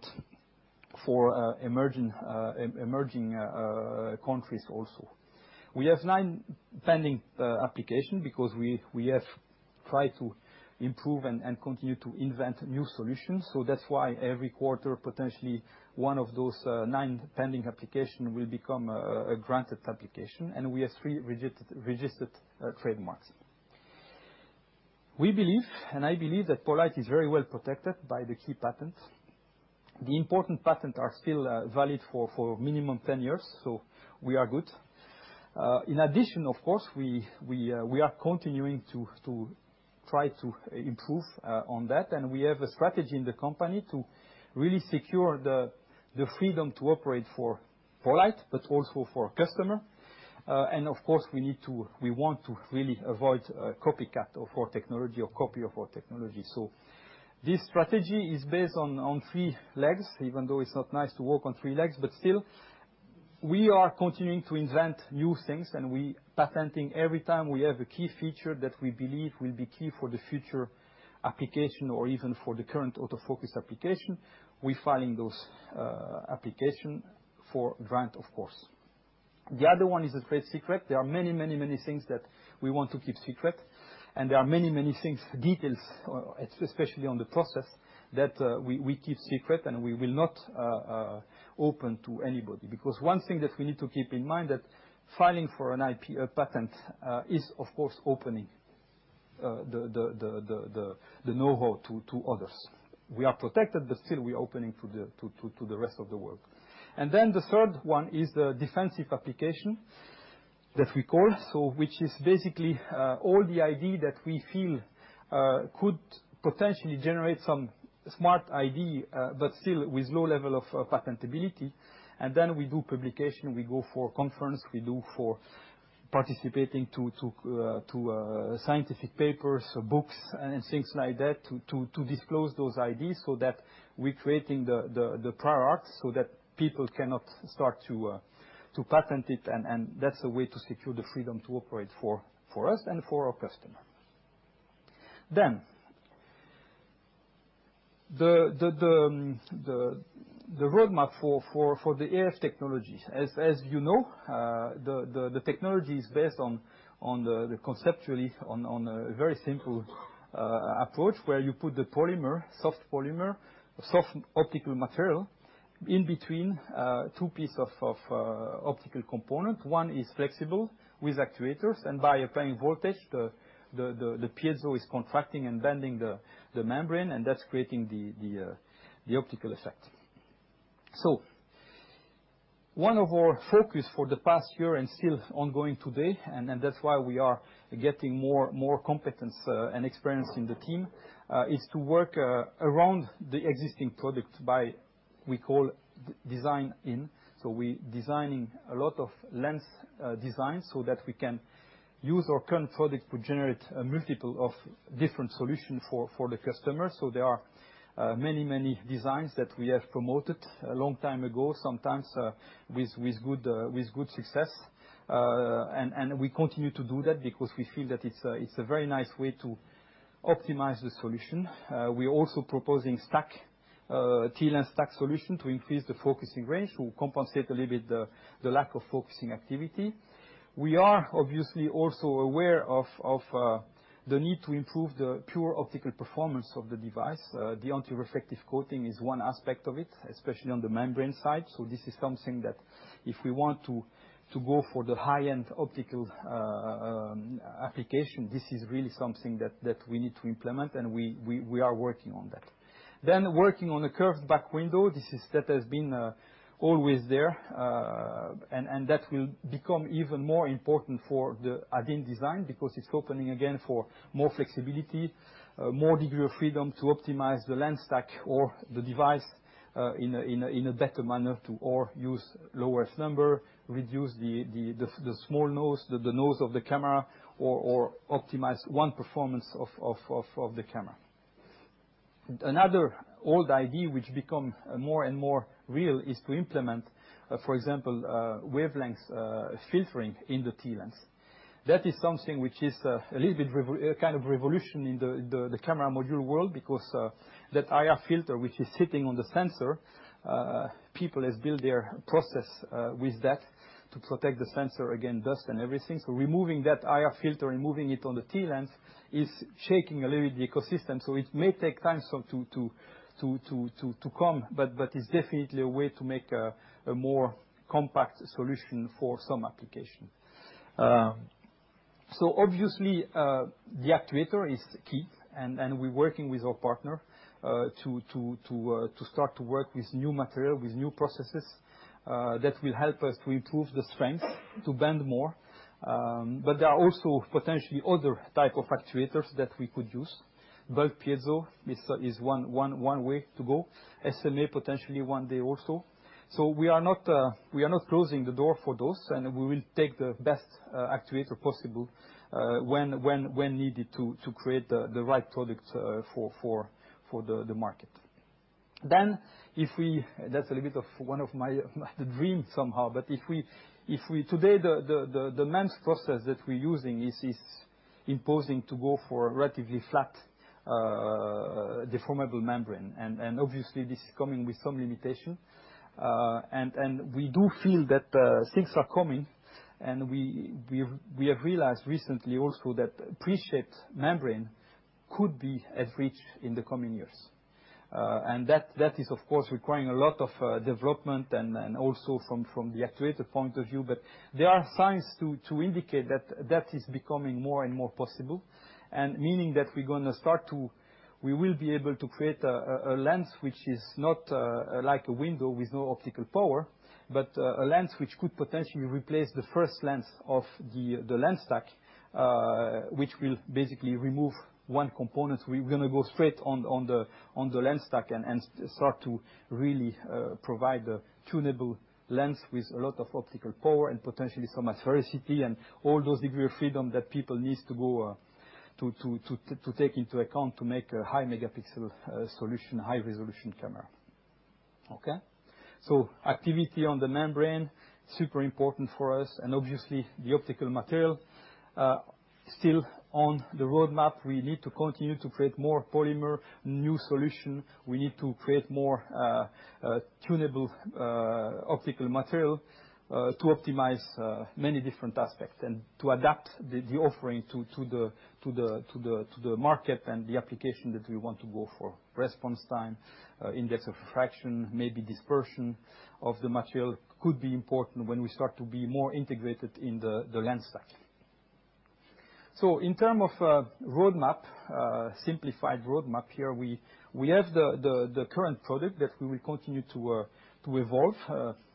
for emerging countries also. We have nine pending applications because we have tried to improve and continue to invent new solutions. That's why every quarter, potentially one of those nine pending applications will become a granted application, and we have three registered trademarks. We believe, and I believe, that poLight is very well-protected by the key patents. The important patents are still valid for minimum 10 years, so we are good. In addition of course, we are continuing to try to improve on that, and we have a strategy in the company to really secure the freedom to operate for poLight, but also for customer. Of course we want to really avoid a copycat of our technology or copy of our technology. This strategy is based on three legs, even though it's not nice to walk on three legs. Still, we are continuing to invent new things, and we patenting every time we have a key feature that we believe will be key for the future application or even for the current autofocus application. We're filing those applications for grants, of course. The other one is a trade secret. There are many, many, many things that we want to keep secret, and there are many, many things, details, especially on the process, that we keep secret and we will not open to anybody. Because one thing that we need to keep in mind that filing for an IP, a patent, is of course opening the know-how to others. We are protected, but still we are opening to the rest of the world. Then the third one is the defensive application that we call, so which is basically all the ideas that we feel could potentially generate some smart idea, but still with low level of patentability. We do publications, we go to conferences, we participate in scientific papers or books and things like that to disclose those ideas so that we're creating the prior art so that people cannot start to patent it and that's a way to secure the freedom to operate for us and for our customer. The roadmap for the AF technology. As you know, the technology is based conceptually on a very simple approach, where you put the soft polymer, soft optical material in between two pieces of optical component. One is flexible with actuators, and by applying voltage, the piezo is contracting and bending the membrane, and that's creating the optical effect. One of our focus for the past year and still ongoing today, and that's why we are getting more competence and experience in the team is to work around the existing products by, we call design in. We designing a lot of lens designs so that we can use our current products to generate a multiple of different solution for the customer. There are many designs that we have promoted a long time ago, sometimes with good success. We continue to do that because we feel that it's a very nice way to optimize the solution. We are also proposing a stack, a TLens stack solution to increase the focusing range to compensate a little bit the lack of focusing activity. We are obviously also aware of the need to improve the pure optical performance of the device. The antireflective coating is one aspect of it, especially on the membrane side. This is something that if we want to go for the high-end optical application, this is really something that we need to implement, and we are working on that. We are working on a curved back window. That has been always there, and that will become even more important for the Add-In design because it's opening again for more flexibility, more degree of freedom to optimize the lens stack or the device, in a better manner. Or use lower number, reduce the small nose, the nose of the camera, or optimize one performance of the camera. Another old idea which become more and more real is to implement, for example, wavelengths filtering in the TLens. That is something which is a little bit kind of revolution in the camera module world because that IR filter which is sitting on the sensor, people has built their process with that to protect the sensor against dust and everything. Removing that IR filter and moving it on the TLens is shaking a little bit the ecosystem. It may take time to come, but it's definitely a way to make a more compact solution for some application. Obviously, the actuator is key and we're working with our partner to start to work with new material, with new processes that will help us to improve the strength to bend more. But there are also potentially other type of actuators that we could use. Bulk piezo is one way to go. SMA potentially one day also. We are not closing the door for those, and we will take the best actuator possible when needed to create the right product for the market. That's a little bit of one of my dreams somehow. Today the MEMS process that we're using is imposing to go for relatively flat deformable membrane, and obviously this is coming with some limitation. We do feel that things are coming, and we have realized recently also that pre-shaped membrane could be within reach in the coming years. And that is, of course, requiring a lot of development and also from the actuator point of view. There are signs to indicate that is becoming more and more possible, and meaning that we will be able to create a lens which is not like a window with no optical power, but a lens which could potentially replace the first lens of the lens stack, which will basically remove one component. We're gonna go straight on the lens stack and start to really provide a tunable lens with a lot of optical power and potentially some asphericity, and all those degree of freedom that people needs to go to take into account to make a high megapixel solution, high resolution camera. Okay. Activity on the membrane, super important for us and obviously the optical material. Still on the roadmap, we need to continue to create more polymer, new solution. We need to create more tunable optical material to optimize many different aspects and to adapt to the market and the application that we want to go for. Response time, index of refraction, maybe dispersion of the material could be important when we start to be more integrated in the lens stack. In terms of roadmap, simplified roadmap here, we have the current product that we will continue to evolve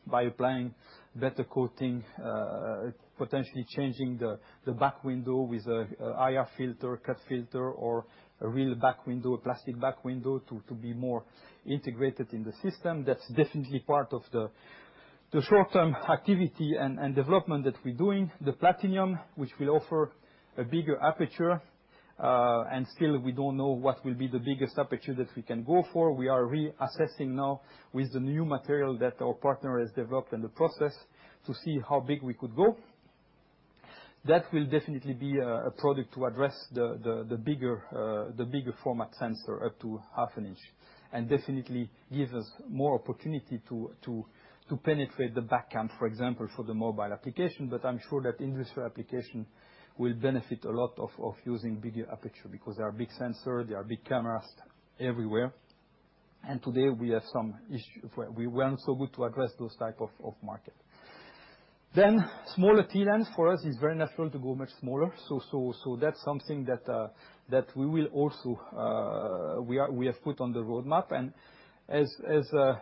by applying better coating, potentially changing the back window with an IR-cut filter, or a real back window, a plastic back window to be more integrated in the system. That's definitely part of the short-term activity and development that we're doing. The Platinum, which will offer a bigger aperture, and still we don't know what will be the biggest aperture that we can go for. We are reassessing now with the new material that our partner has developed in the process to see how big we could go. That will definitely be a product to address the bigger format sensor up to half an inch, and definitely give us more opportunity to penetrate the back cam, for example, for the mobile application. I'm sure that industrial application will benefit a lot from using bigger aperture because there are big sensor, there are big cameras everywhere, and today we have some issues. We weren't so good to address those type of market. Smaller TLens for us is very natural to go much smaller. That's something that we have put on the roadmap.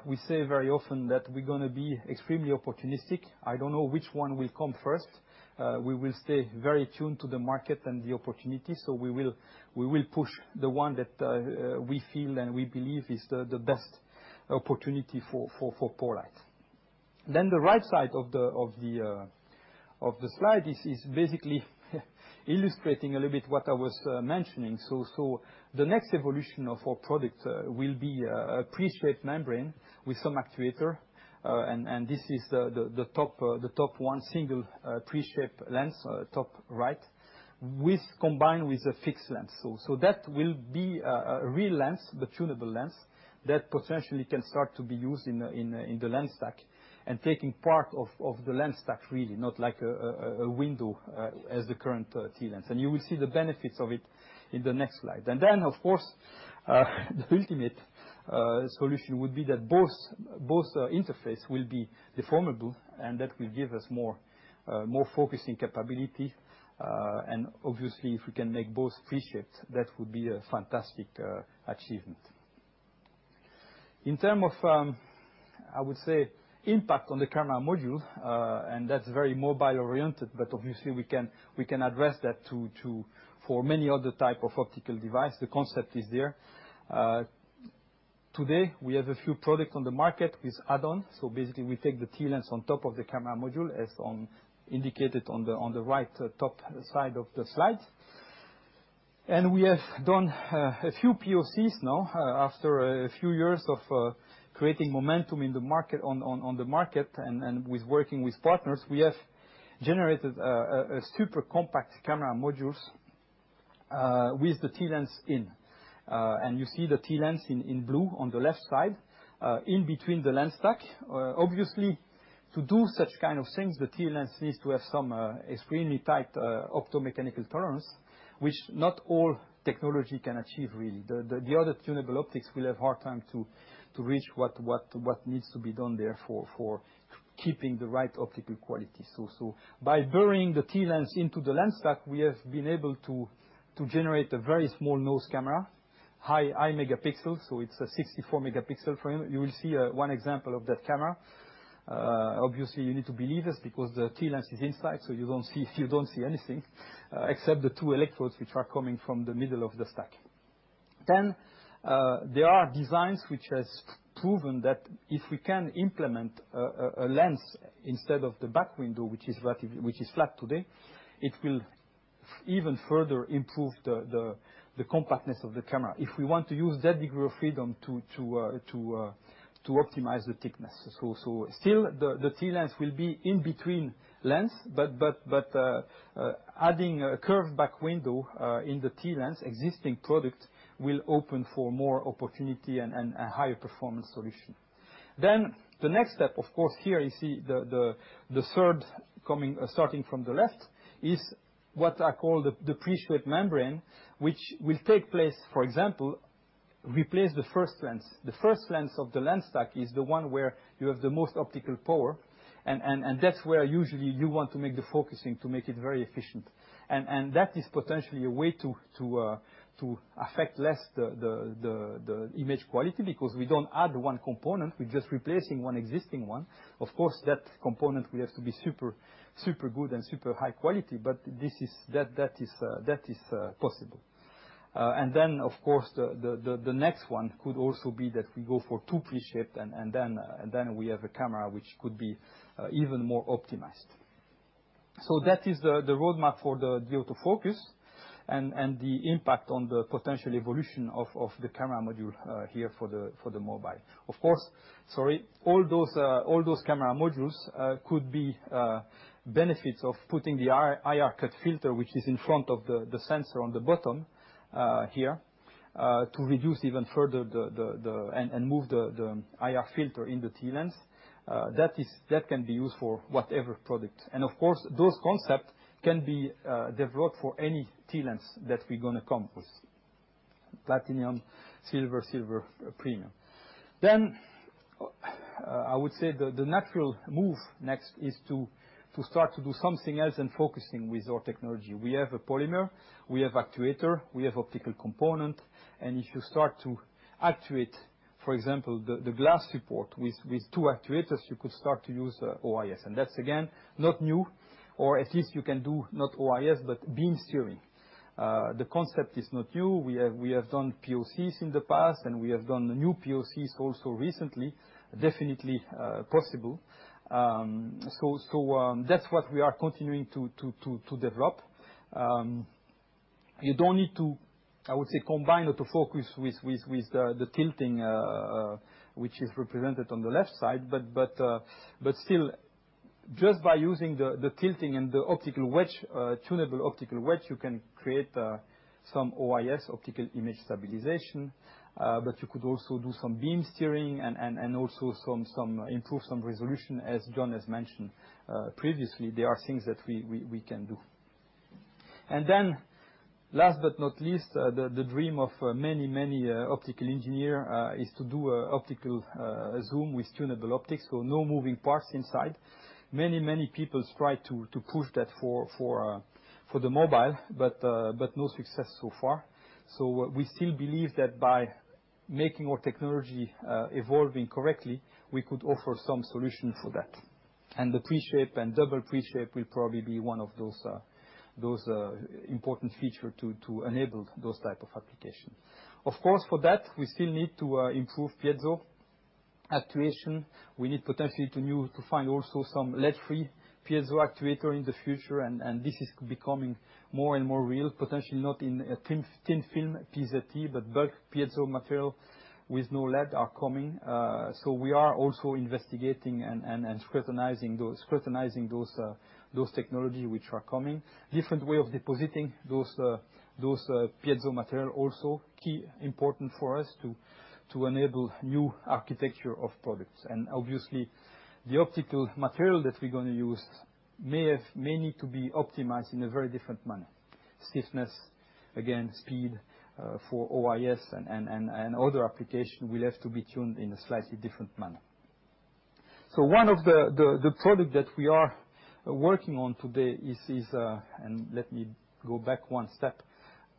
We say very often that we're gonna be extremely opportunistic. I don't know which one will come first. We will stay very attuned to the market and the opportunity. We will push the one that we feel and we believe is the best opportunity for poLight. The right side of the slide is basically illustrating a little bit what I was mentioning. The next evolution of our product will be a pre-shaped membrane with some actuator. This is the top one single pre-shaped lens top right with combined with a fixed lens. That will be a real lens, the tunable lens that potentially can start to be used in the lens stack, and taking part of the lens stack really, not like a window as the current TLens. You will see the benefits of it in the next slide. Of course, the ultimate solution would be that both interface will be deformable, and that will give us more focusing capability. Obviously, if we can make both pre-shaped, that would be a fantastic achievement. In terms of impact on the camera module, and that's very mobile oriented, but obviously we can address that to for many other types of optical device. The concept is there. Today we have a few products on the market with Add-In. Basically we take the TLens on top of the camera module, as indicated on the right top side of the slide. We have done a few POCs now, after a few years of creating momentum in the market and working with partners, we have generated a super compact camera modules with the TLens in. You see the TLens in blue on the left side in between the lens stack. Obviously, to do such kind of things, the TLens needs to have some extremely tight optomechanical tolerance, which not all technology can achieve really. The other tunable optics will have hard time to reach what needs to be done there for keeping the right optical quality. By burying the TLens into the lens stack, we have been able to generate a very small no-see camera. High megapixel, so it's a 64-megapixel frame. You will see one example of that camera. Obviously, you need to believe us because the TLens is inside, so you don't see anything except the two electrodes which are coming from the middle of the stack. There are designs which has proven that if we can implement a lens instead of the back window, which is flat today, it will even further improve the compactness of the camera. If we want to use that degree of freedom to optimize the thickness. Still the TLens will be in between lens, but adding a curved back window in the TLens existing product will open for more opportunity and a higher performance solution. The next step of course, here you see the third coming, starting from the left, is what I call the pre-shaped membrane, which will take place, for example, replace the first lens. The first lens of the lens stack is the one where you have the most optical power, and that's where usually you want to make the focusing to make it very efficient. That is potentially a way to affect less the image quality because we don't add one component, we're just replacing one existing one. Of course, that component will have to be super good and super high quality, but that is possible. Of course, the next one could also be that we go for two pre-shaped and then we have a camera which could be even more optimized. That is the roadmap for the dual autofocus and the impact on the potential evolution of the camera module here for the mobile. Of course, sorry, all those camera modules could benefit from putting the IR cut filter which is in front of the sensor on the bottom here to reduce even further the. Move the IR filter in the TLens. That can be used for whatever product. Of course, those concepts can be developed for any TLens that we're gonna come with. Platinum, Silver Premium. I would say the natural move next is to start to do something else than focusing with our technology. We have a polymer, we have actuator, we have optical component, and if you start to actuate, for example, the glass support with two actuators, you could start to use OIS. That's again not new or at least you can do not OIS, but beam steering. The concept is not new. We have done POCs in the past, and we have done new POCs also recently. Definitely possible. So that's what we are continuing to develop. You don't need to, I would say, combine or to focus with the tilting which is represented on the left side. Still just by using the tilting and the optical wedge, tunable optical wedge, you can create some OIS, optical image stabilization. You could also do some beam steering and also some improve some resolution, as Jon has mentioned, previously. There are things that we can do. Last but not least, the dream of many optical engineer is to do optical zoom with tunable optics. No moving parts inside. Many people tried to push that for the mobile, but no success so far. We still believe that by making our technology evolving correctly, we could offer some solution for that. The pre-shape and double pre-shape will probably be one of those important feature to enable those type of application. Of course, for that, we still need to improve piezo actuation. We need potentially to find also some lead-free piezo actuator in the future. This is becoming more and more real. Potentially not in a thin film PZT, but bulk piezo material with no lead are coming. So we are also investigating and scrutinizing those technology which are coming. Different way of depositing those piezo material also key important for us to enable new architecture of products. Obviously, the optical material that we're gonna use may need to be optimized in a very different manner. Stiffness, again, speed, for OIS and other application will have to be tuned in a slightly different manner. One of the product that we are working on today is, and let me go back one step,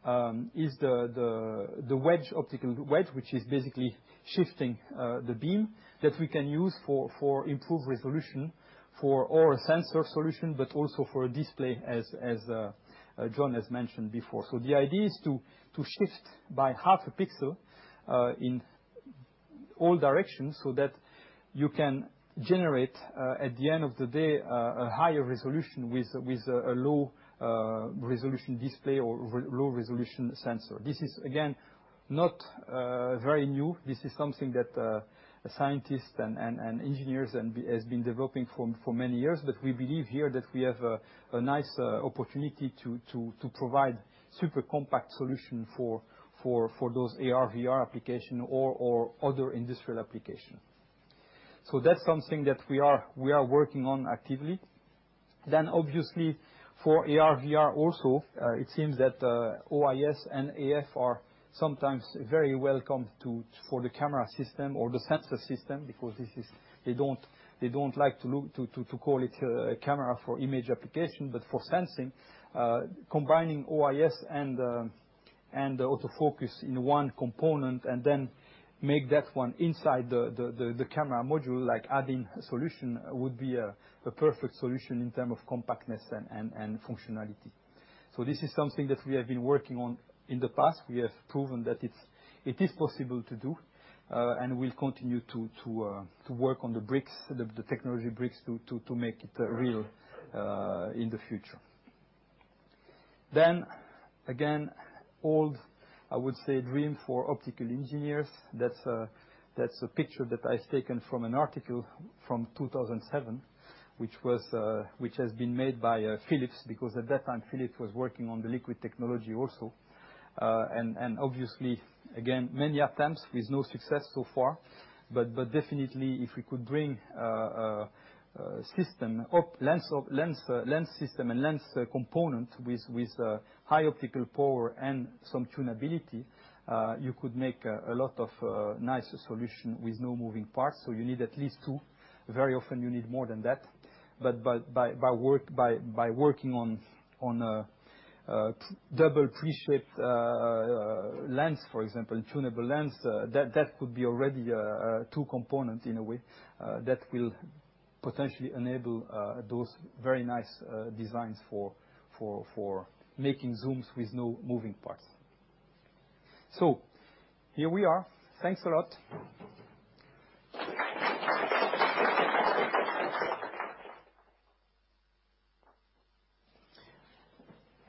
the optical wedge, which is basically shifting the beam that we can use for improved resolution for AR sensor solution, but also for AR display, as Jon has mentioned before. The idea is to shift by half a pixel in all directions, so that you can generate, at the end of the day, a higher resolution with a low resolution display or low resolution sensor. This is again not very new. This is something that scientists and engineers has been developing for many years. We believe here that we have a nice opportunity to provide super compact solution for those AR/VR application or other industrial application. That's something that we are working on actively. Obviously for AR/VR also, it seems that OIS and AF are sometimes very welcome for the camera system or the sensor system because they don't like to call it a camera for image application. For sensing, combining OIS and autofocus in one component and then make that one inside the camera module, like adding a solution would be a perfect solution in terms of compactness and functionality. This is something that we have been working on in the past. We have proven that it is possible to do, and we'll continue to work on the technology bricks to make it real in the future. Old dream, I would say, for optical engineers. That's a picture that I've taken from an article from 2007, which has been made by Philips because at that time, Philips was working on the liquid technology also. Obviously again, many attempts with no success so far. Definitely if we could bring system or lens system and lens component with high optical power and some tunability, you could make a lot of nice solution with no moving parts. You need at least two. Very often you need more than that. By working on double pre-shaped lens, for example, tunable lens, that could be already two components in a way, that will potentially enable those very nice designs for making zooms with no moving parts. Here we are. Thanks a lot.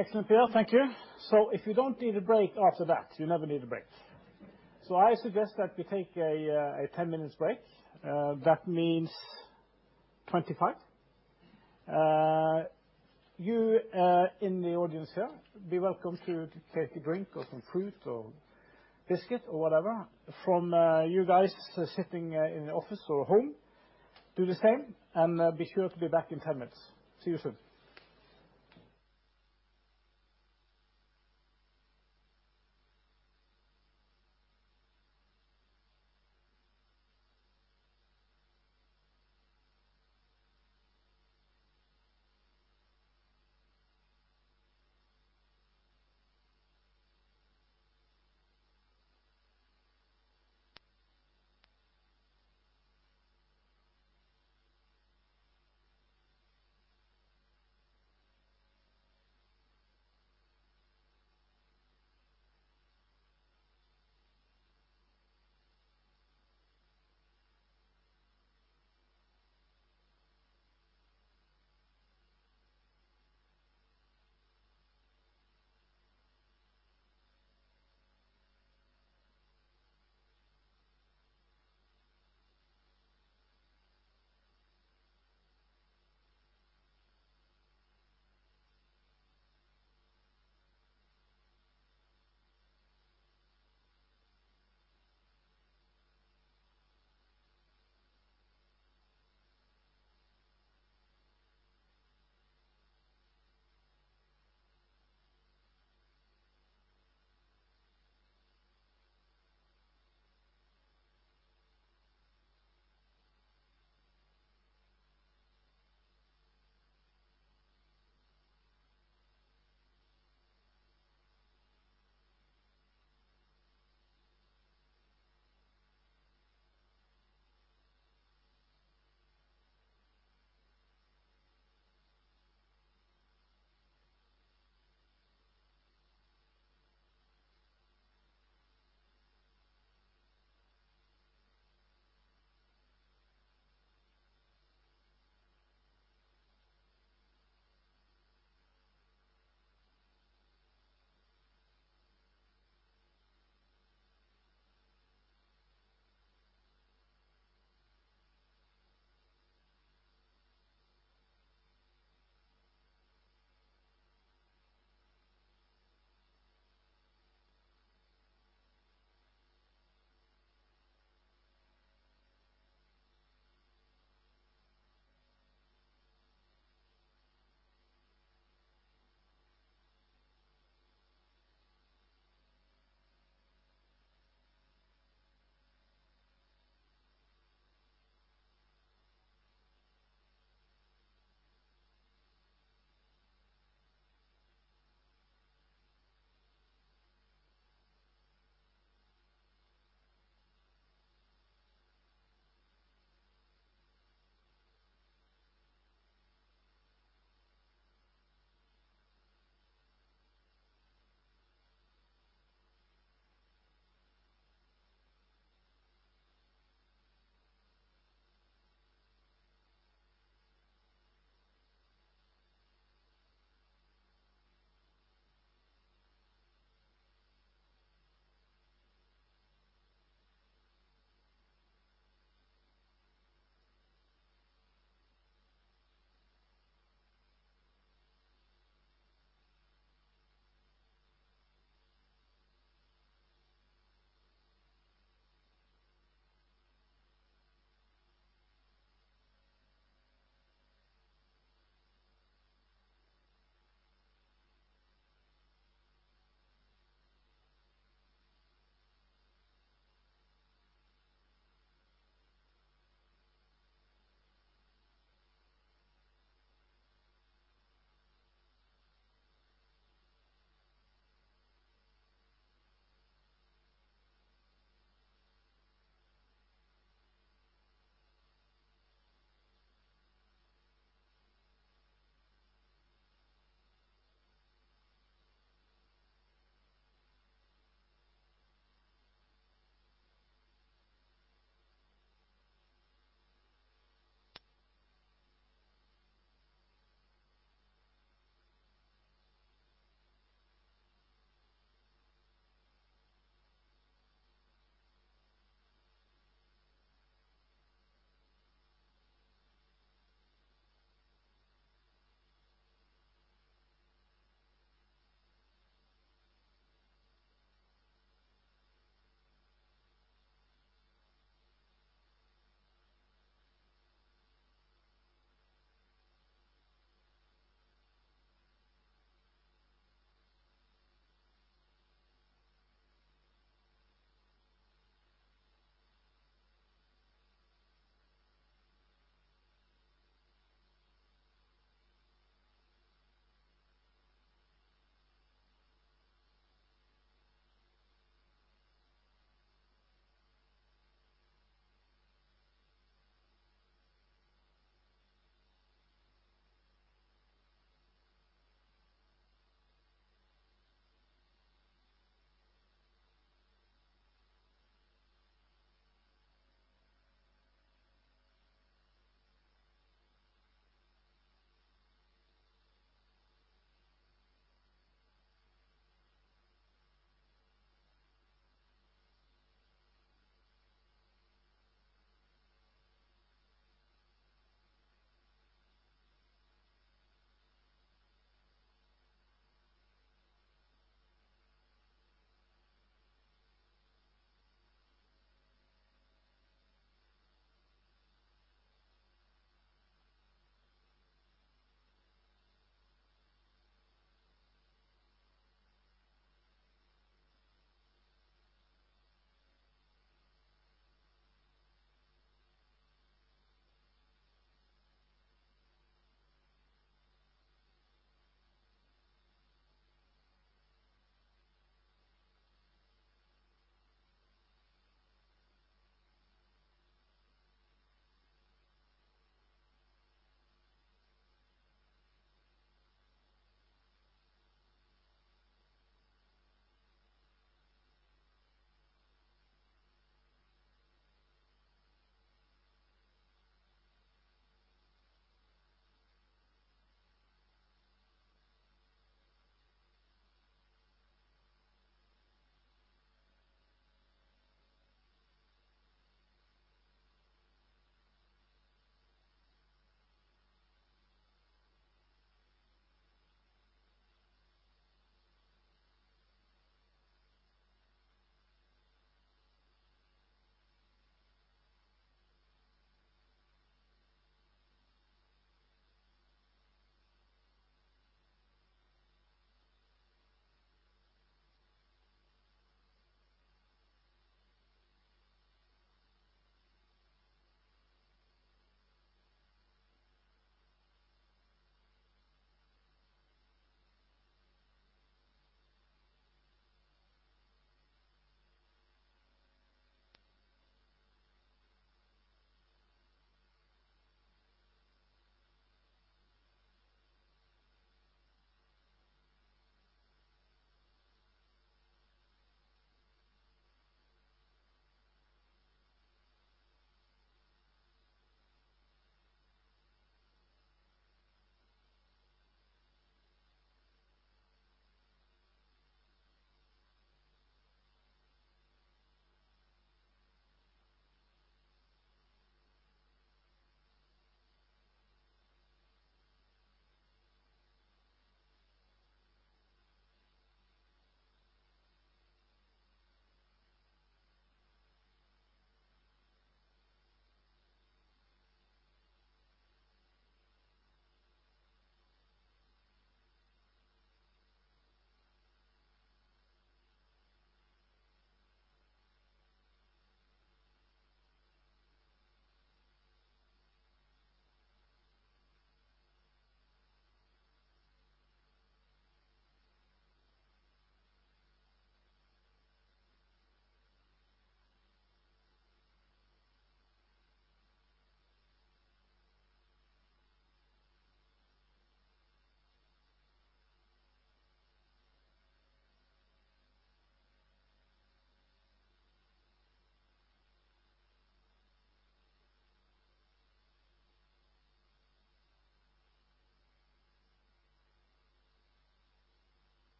Excellent, Pierre. Thank you. If you don't need a break after that, you never need a break. I suggest that we take a 10 minutes break. That means 25. You in the audience here, be welcome to take a drink or some fruit or biscuit or whatever. From you guys sitting in the office or home, do the same, and be sure to be back in 10 minutes. See you soon.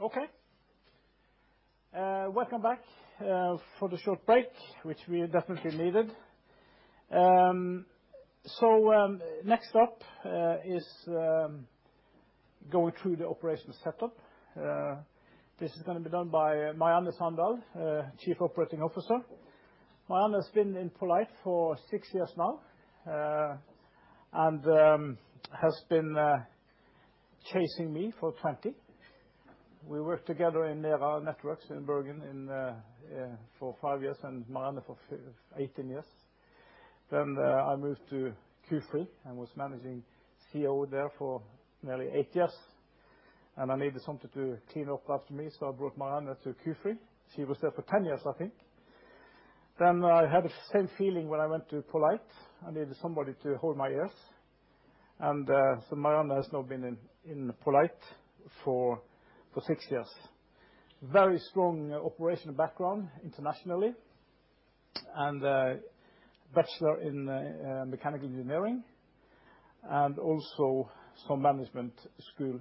Okay. Welcome back from the short break, which we definitely needed. Next up is going through the operation setup. This is gonna be done by Marianne Sandal, Chief Operating Officer. Marianne has been in poLight for six years now, and has been chasing me for 20. We worked together in Nera Networks in Bergen for 5 years, and Marianne for 18 years. I moved to Q-Free and was managing CEO there for nearly 8 years, and I needed somebody to clean up after me, so I brought Marianne to Q-Free. She was there for 10 years, I think. I had the same feeling when I went to poLight. I needed somebody to hold my hand, so Marianne has now been in poLight for 6 years. Very strong operational background internationally and bachelor in mechanical engineering and also some management school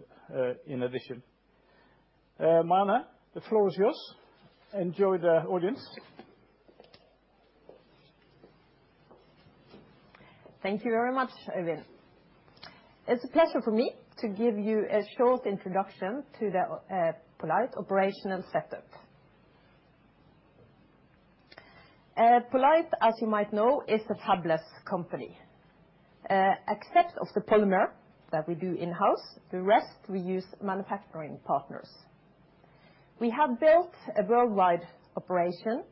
in addition. Marianne, the floor is yours. Enjoy the audience. Thank you very much, Øyvind. It's a pleasure for me to give you a short introduction to the poLight operational setup. poLight, as you might know, is a fabless company. Except for the polymer that we do in-house, the rest we use manufacturing partners. We have built a worldwide operation.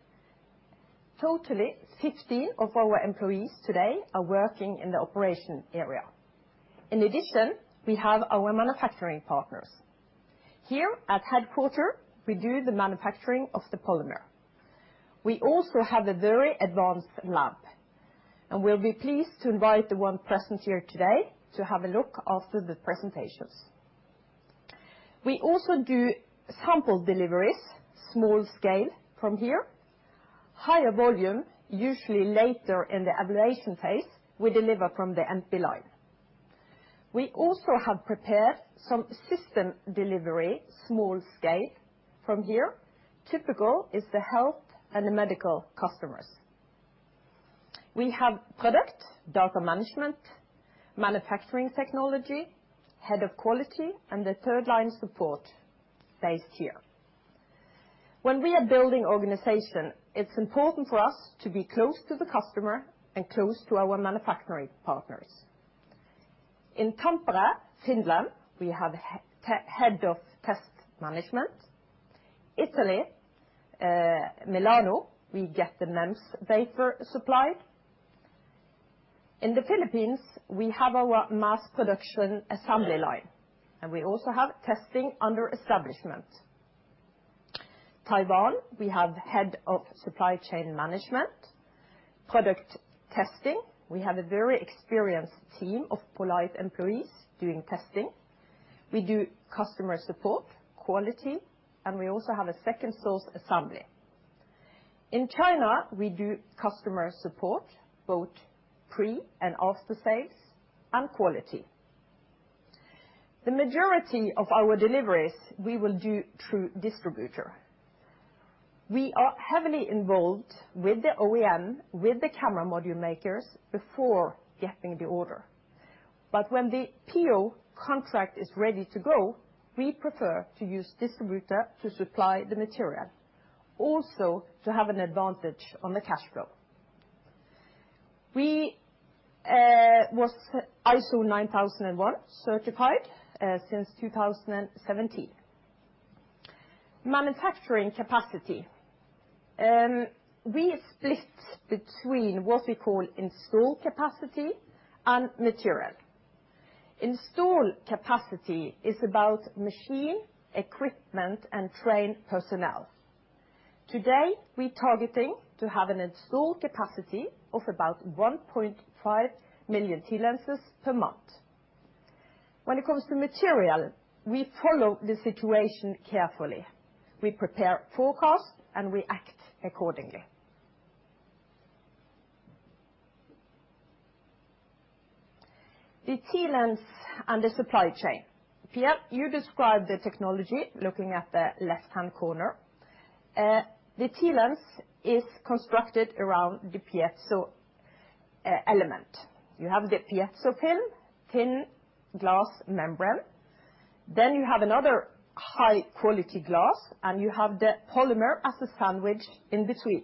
Totally 50 of our employees today are working in the operation area. In addition, we have our manufacturing partners. Here at headquarters, we do the manufacturing of the polymer. We also have a very advanced lab, and we'll be pleased to invite the one present here today to have a look after the presentations. We also do sample deliveries, small scale from here. Higher volume, usually later in the evaluation phase, we deliver from the assembly line. We also have prepared some system delivery, small scale from here. Typical is the health and the medical customers. We have product, data management, manufacturing technology, head of quality, and the third line support based here. When we are building organization, it's important for us to be close to the customer and close to our manufacturing partners. In Tampere, Finland, we have head of test management. In Italy, Milan, we get the MEMS wafer supplied. In the Philippines, we have our mass production assembly line, and we also have testing under establishment. In Taiwan, we have head of supply chain management, product testing. We have a very experienced team of poLight employees doing testing. We do customer support, quality, and we also have a second source assembly. In China, we do customer support, both pre and after sales, and quality. The majority of our deliveries we will do through distributor. We are heavily involved with the OEM, with the camera module makers before getting the order. When the PO contract is ready to go, we prefer to use distributor to supply the material, also to have an advantage on the cash flow. We was ISO 9001 certified since 2017. Manufacturing capacity. We split between what we call installed capacity and material. Installed capacity is about machine, equipment, and trained personnel. Today, we're targeting to have an installed capacity of about 1.5 million TLens per month. When it comes to material, we follow the situation carefully. We prepare forecasts, and we act accordingly. The TLens and the supply chain. Pierre, you described the technology looking at the left-hand corner. The TLens is constructed around the piezo element. You have the piezo pin, thin glass membrane, then you have another high-quality glass, and you have the polymer as a sandwich in between.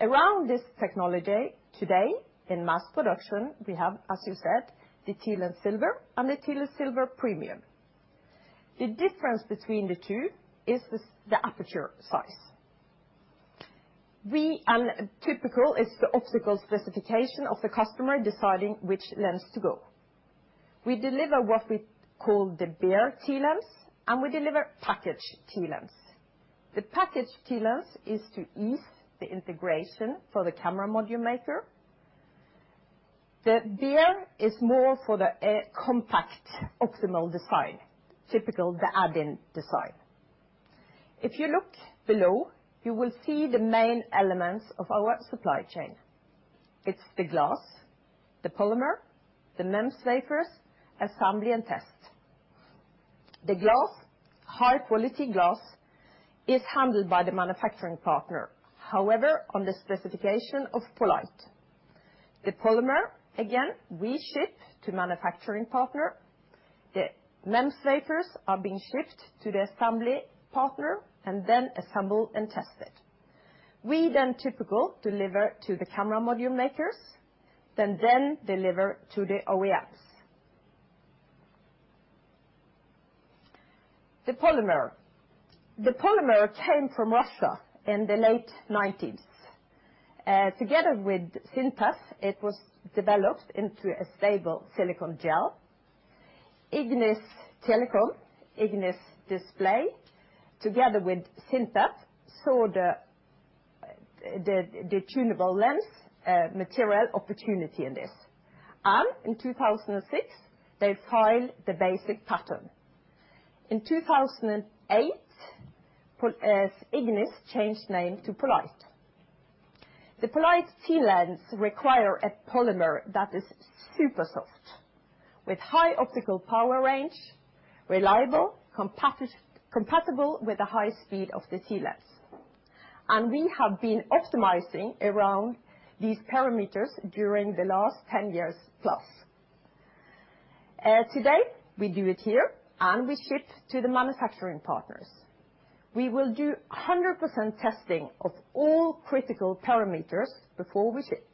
Around this technology today in mass production, we have, as you said, the TLens Silver and the TLens Silver Premium. The difference between the two is the aperture size. We and typical is the optical specification of the customer deciding which lens to go. We deliver what we call the bare TLens, and we deliver packaged TLens. The packaged TLens is to ease the integration for the camera module maker. The bare is more for the compact optical design, typical the Add-In design. If you look below, you will see the main elements of our supply chain. It's the glass, the polymer, the MEMS wafers, assembly, and test. The glass, high-quality glass is handled by the manufacturing partner. However, on the specification of poLight. The polymer, again, we ship to manufacturing partner. The MEMS wafers are being shipped to the assembly partner and then assembled and tested. We typically deliver to the camera module makers, and then deliver to the OEMs. The polymer. The polymer came from Russia in the late 1990s. Together with SINTEF, it was developed into a stable silicone gel. Ignis Telecom, Ignis Display, together with SINTEF, saw the tunable lens material opportunity in this. In 2006, they filed the basic patent. In 2008, Ignis changed name to poLight. The poLight TLens requires a polymer that is super soft with high optical power range, reliable, compatible with the high speed of the TLens. We have been optimizing around these parameters during the last 10 years plus. Today we do it here, and we ship to the manufacturing partners. We will do 100% testing of all critical parameters before we ship.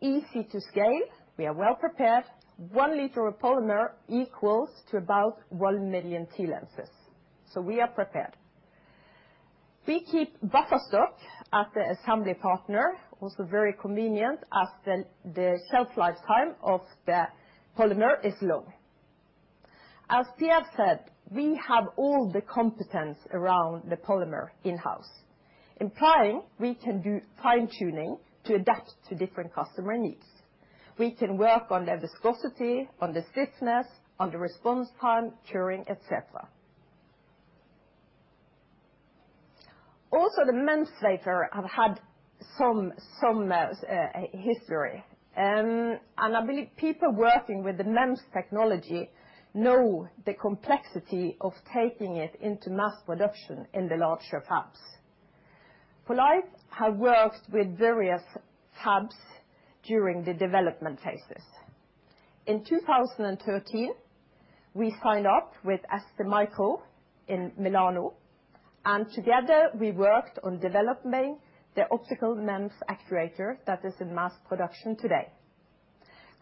Easy to scale. We are well prepared. One liter of polymer equals to about one million TLenses, so we are prepared. We keep buffer stock at the assembly partner. Also very convenient as the shelf lifetime of the polymer is long. As Pierre said, we have all the competence around the polymer in-house, implying we can do fine-tuning to adapt to different customer needs. We can work on the viscosity, on the stiffness, on the response time, curing, et cetera. Also, the MEMS wafer has had some history. I believe people working with the MEMS technology know the complexity of taking it into mass production in the larger fabs. poLight has worked with various fabs during the development phases. In 2013, we signed up with STMicroelectronics in Milano, and together we worked on developing the optical MEMS actuator that is in mass production today.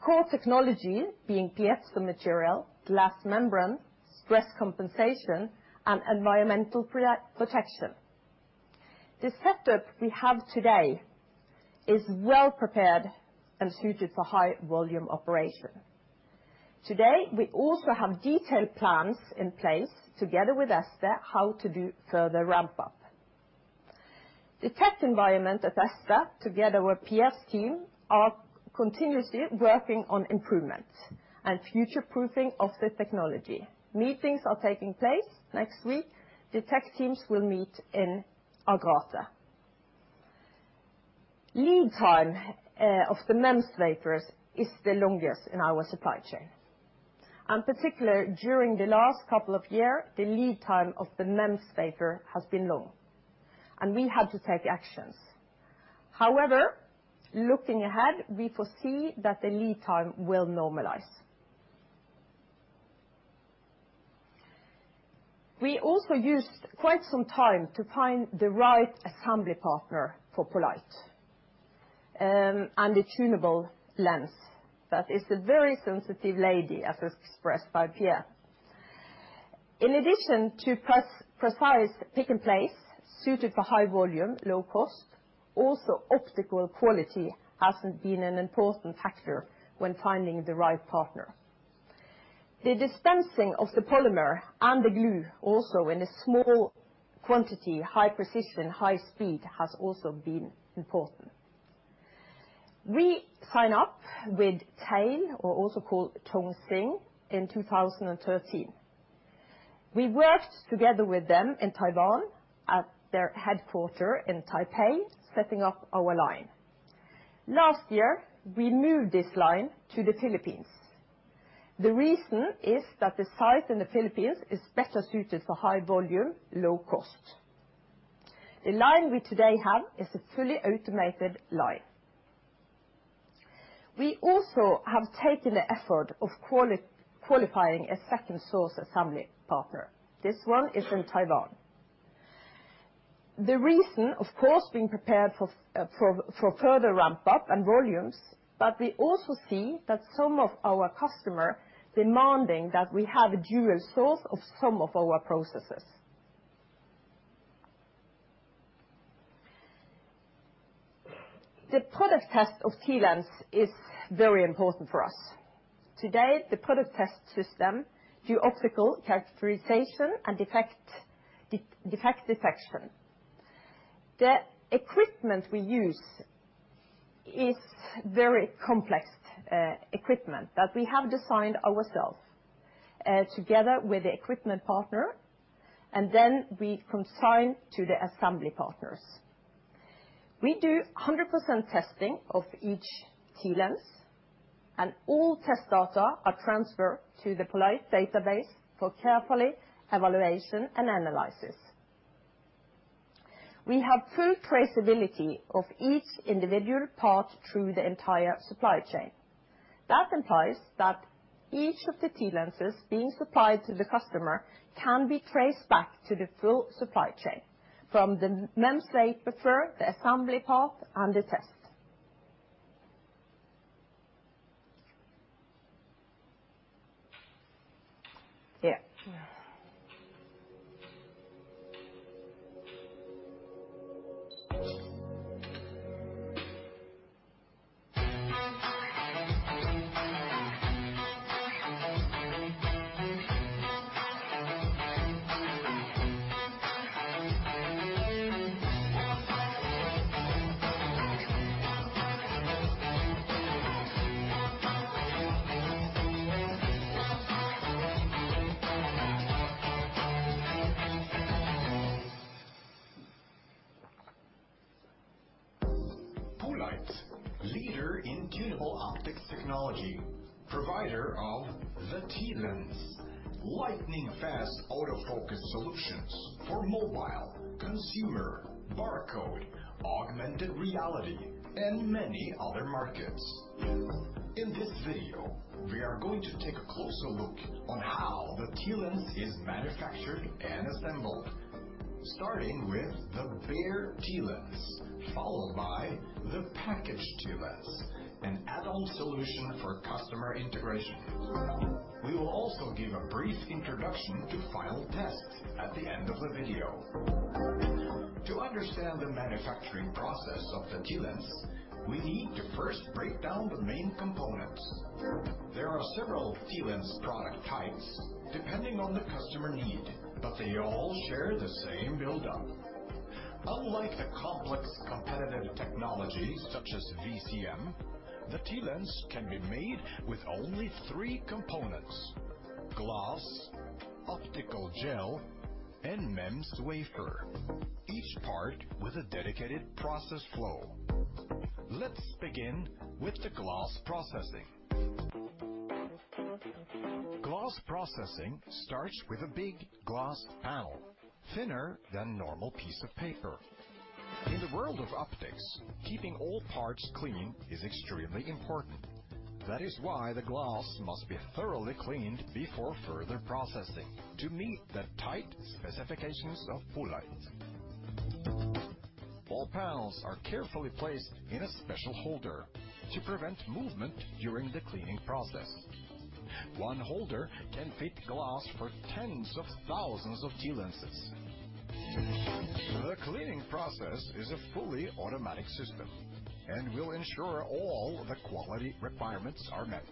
Core technology being piezo material, glass membrane, stress compensation, and environmental protection. The setup we have today is well prepared and suited for high volume operation. Today, we also have detailed plans in place together with ST how to do further ramp up. The tech environment at ST together with Pierre's team are continuously working on improvements and future-proofing of the technology. Meetings are taking place. Next week, the tech teams will meet in Agrate. Lead time of the MEMS wafers is the longest in our supply chain, and particularly during the last couple of years, the lead time of the MEMS wafer has been long, and we had to take actions. However, looking ahead, we foresee that the lead time will normalize. We also used quite some time to find the right assembly partner for poLight and the tunable lens. That is a very sensitive lens, as expressed by Pierre. In addition to precise pick and place suited for high volume, low cost, also optical quality has been an important factor when finding the right partner. The dispensing of the polymer and the glue also in a small quantity, high precision, high speed, has also been important. We sign up with TAI, or also called Chong Sing, in 2013. We worked together with them in Taiwan at their headquarters in Taipei, setting up our line. Last year, we moved this line to the Philippines. The reason is that the site in the Philippines is better suited for high volume, low cost. The line we today have is a fully automated line. We also have taken the effort of qualifying a second source assembly partner. This one is in Taiwan. The reason, of course, being prepared for further ramp up and volumes, but we also see that some of our customer demanding that we have a dual source of some of our processes. The product test of TLens is very important for us. Today, the product test system do optical characterization and defect detection. The equipment we use is very complex equipment that we have designed ourselves together with the equipment partner, and then we consign to the assembly partners. We do 100% testing of each TLens, and all test data are transferred to the poLight database for careful evaluation and analysis. We have full traceability of each individual part through the entire supply chain. That implies that each of the TLenses being supplied to the customer can be traced back to the full supply chain from the MEMS they prefer, the assembly part, and the test. Yeah. PoLight, leader in tunable optics technology, provider of the TLens, lightning-fast autofocus solutions for mobile, consumer, barcode, augmented reality, and many other markets. In this video, we are going to take a closer look at how the TLens is manufactured and assembled. Starting with the bare TLens, followed by the packaged TLens, an Add-In solution for customer integration. We will also give a brief introduction to final test at the end of the video. To understand the manufacturing process of the T-Lens, we need to first break down the main components. There are several T-Lens product types depending on the customer need, but they all share the same build-up. Unlike the complex competitive technologies such as VCM, the T-Lens can be made with only three components: glass, optical gel, and MEMS wafer. Each part with a dedicated process flow. Let's begin with the glass processing. Glass processing starts with a big glass panel thinner than a normal piece of paper. In the world of optics, keeping all parts clean is extremely important. That is why the glass must be thoroughly cleaned before further processing to meet the tight specifications of poLight. All panels are carefully placed in a special holder to prevent movement during the cleaning process. One holder can fit glass for tens of thousands of T-Lenses. The cleaning process is a fully automatic system and will ensure all the quality requirements are met.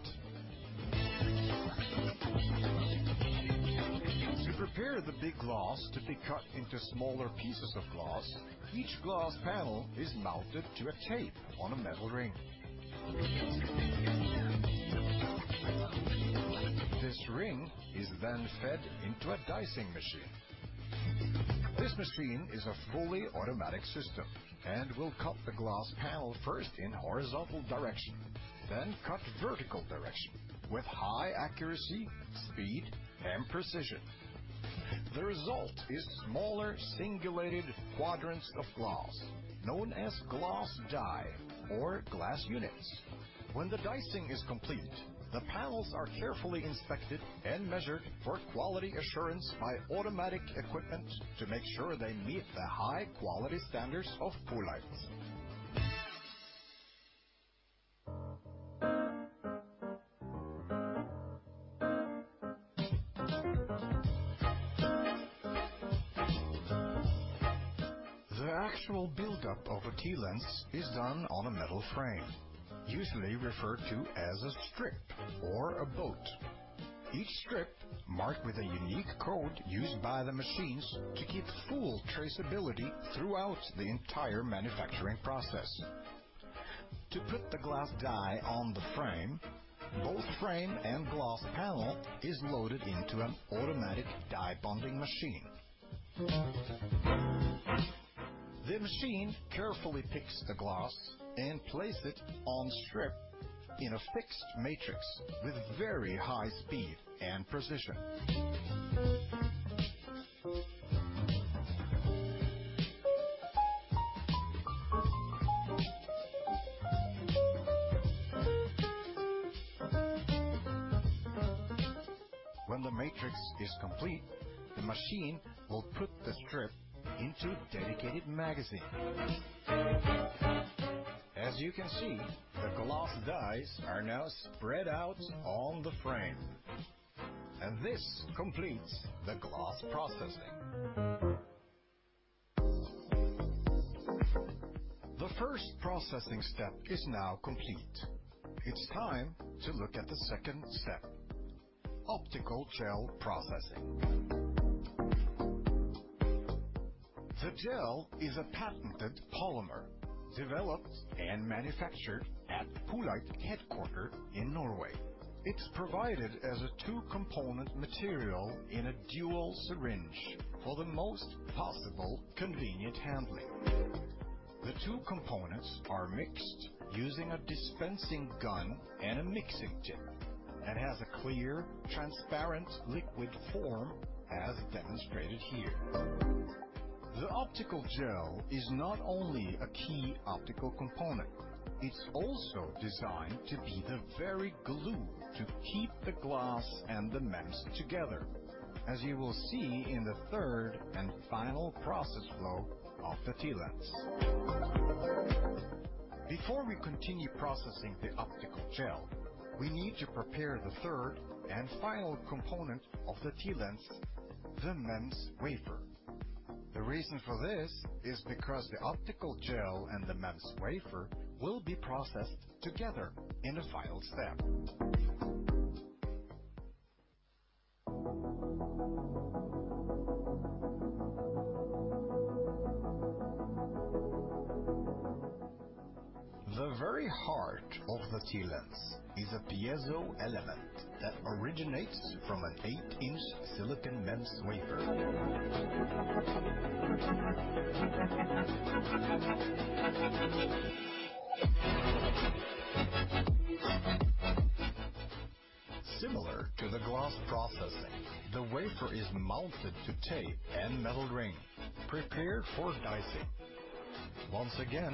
To prepare the big glass to be cut into smaller pieces of glass, each glass panel is mounted to a tape on a metal ring. This ring is then fed into a dicing machine. This machine is a fully automatic system and will cut the glass panel first in horizontal direction, then cut vertical direction with high accuracy, speed, and precision. The result is smaller singulated quadrants of glass known as glass die or glass units. When the dicing is complete, the panels are carefully inspected and measured for quality assurance by automatic equipment to make sure they meet the high-quality standards of poLight. The actual build-up of a TLens is done on a metal frame, usually referred to as a strip or a boat. Each strip marked with a unique code used by the machines to keep full traceability throughout the entire manufacturing process. To put the glass die on the frame, both frame and glass panel is loaded into an automatic die bonding machine. The machine carefully picks the glass and places it on strip in a fixed matrix with very high speed and precision. When the matrix is complete, the machine will put the strip into a dedicated magazine. As you can see, the glass dies are now spread out on the frame, and this completes the glass processing. The first processing step is now complete. It's time to look at the second step, optical gel processing. The gel is a patented polymer developed and manufactured at poLight headquarters in Norway. It's provided as a two-component material in a dual syringe for the most possible convenient handling. The two components are mixed using a dispensing gun and a mixing tip and has a clear, transparent liquid form as demonstrated here. The optical gel is not only a key optical component, it's also designed to be the very glue to keep the glass and the MEMS together, as you will see in the third and final process flow of the TLens. Before we continue processing the optical gel, we need to prepare the third and final component of the TLens, the MEMS wafer. The reason for this is because the optical gel and the MEMS wafer will be processed together in the final step. The very heart of the TLens is a piezo element that originates from an 8-inch silicon MEMS wafer. Similar to the glass processing, the wafer is mounted to tape and metal ring, prepared for dicing. Once again,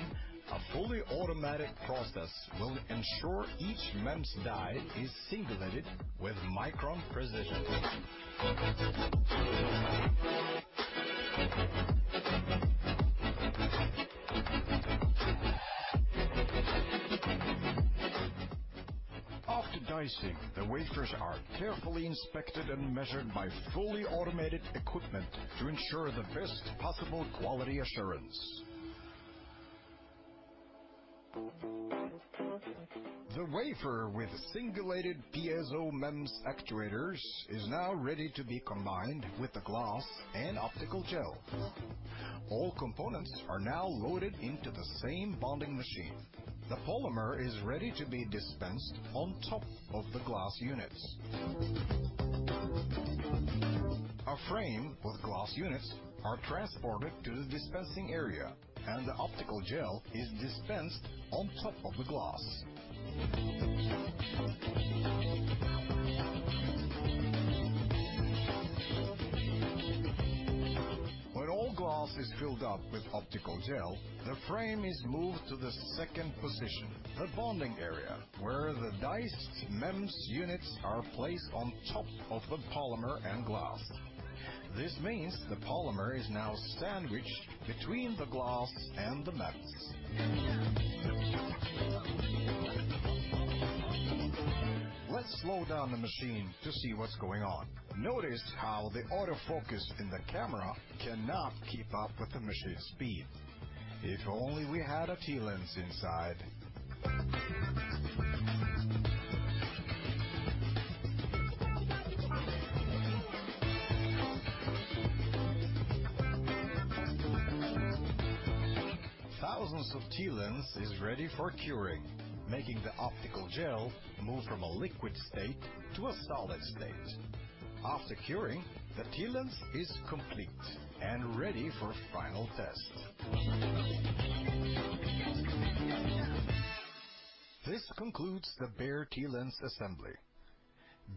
a fully automatic process will ensure each MEMS die is singulated with micron precision. After dicing, the wafers are carefully inspected and measured by fully automated equipment to ensure the best possible quality assurance. The wafer with singulated piezo MEMS actuators is now ready to be combined with the glass and optical gel. All components are now loaded into the same bonding machine. The polymer is ready to be dispensed on top of the glass units. A frame with glass units are transported to the dispensing area, and the optical gel is dispensed on top of the glass. When all glass is filled up with optical gel, the frame is moved to the second position, the bonding area, where the diced MEMS units are placed on top of the polymer and glass. This means the polymer is now sandwiched between the glass and the MEMS. Let's slow down the machine to see what's going on. Notice how the autofocus in the camera cannot keep up with the machine speed. If only we had a TLens inside. Thousands of TLenses are ready for curing, making the optical gel move from a liquid state to a solid state. After curing, the TLens is complete and ready for final test. This concludes the bare TLens assembly.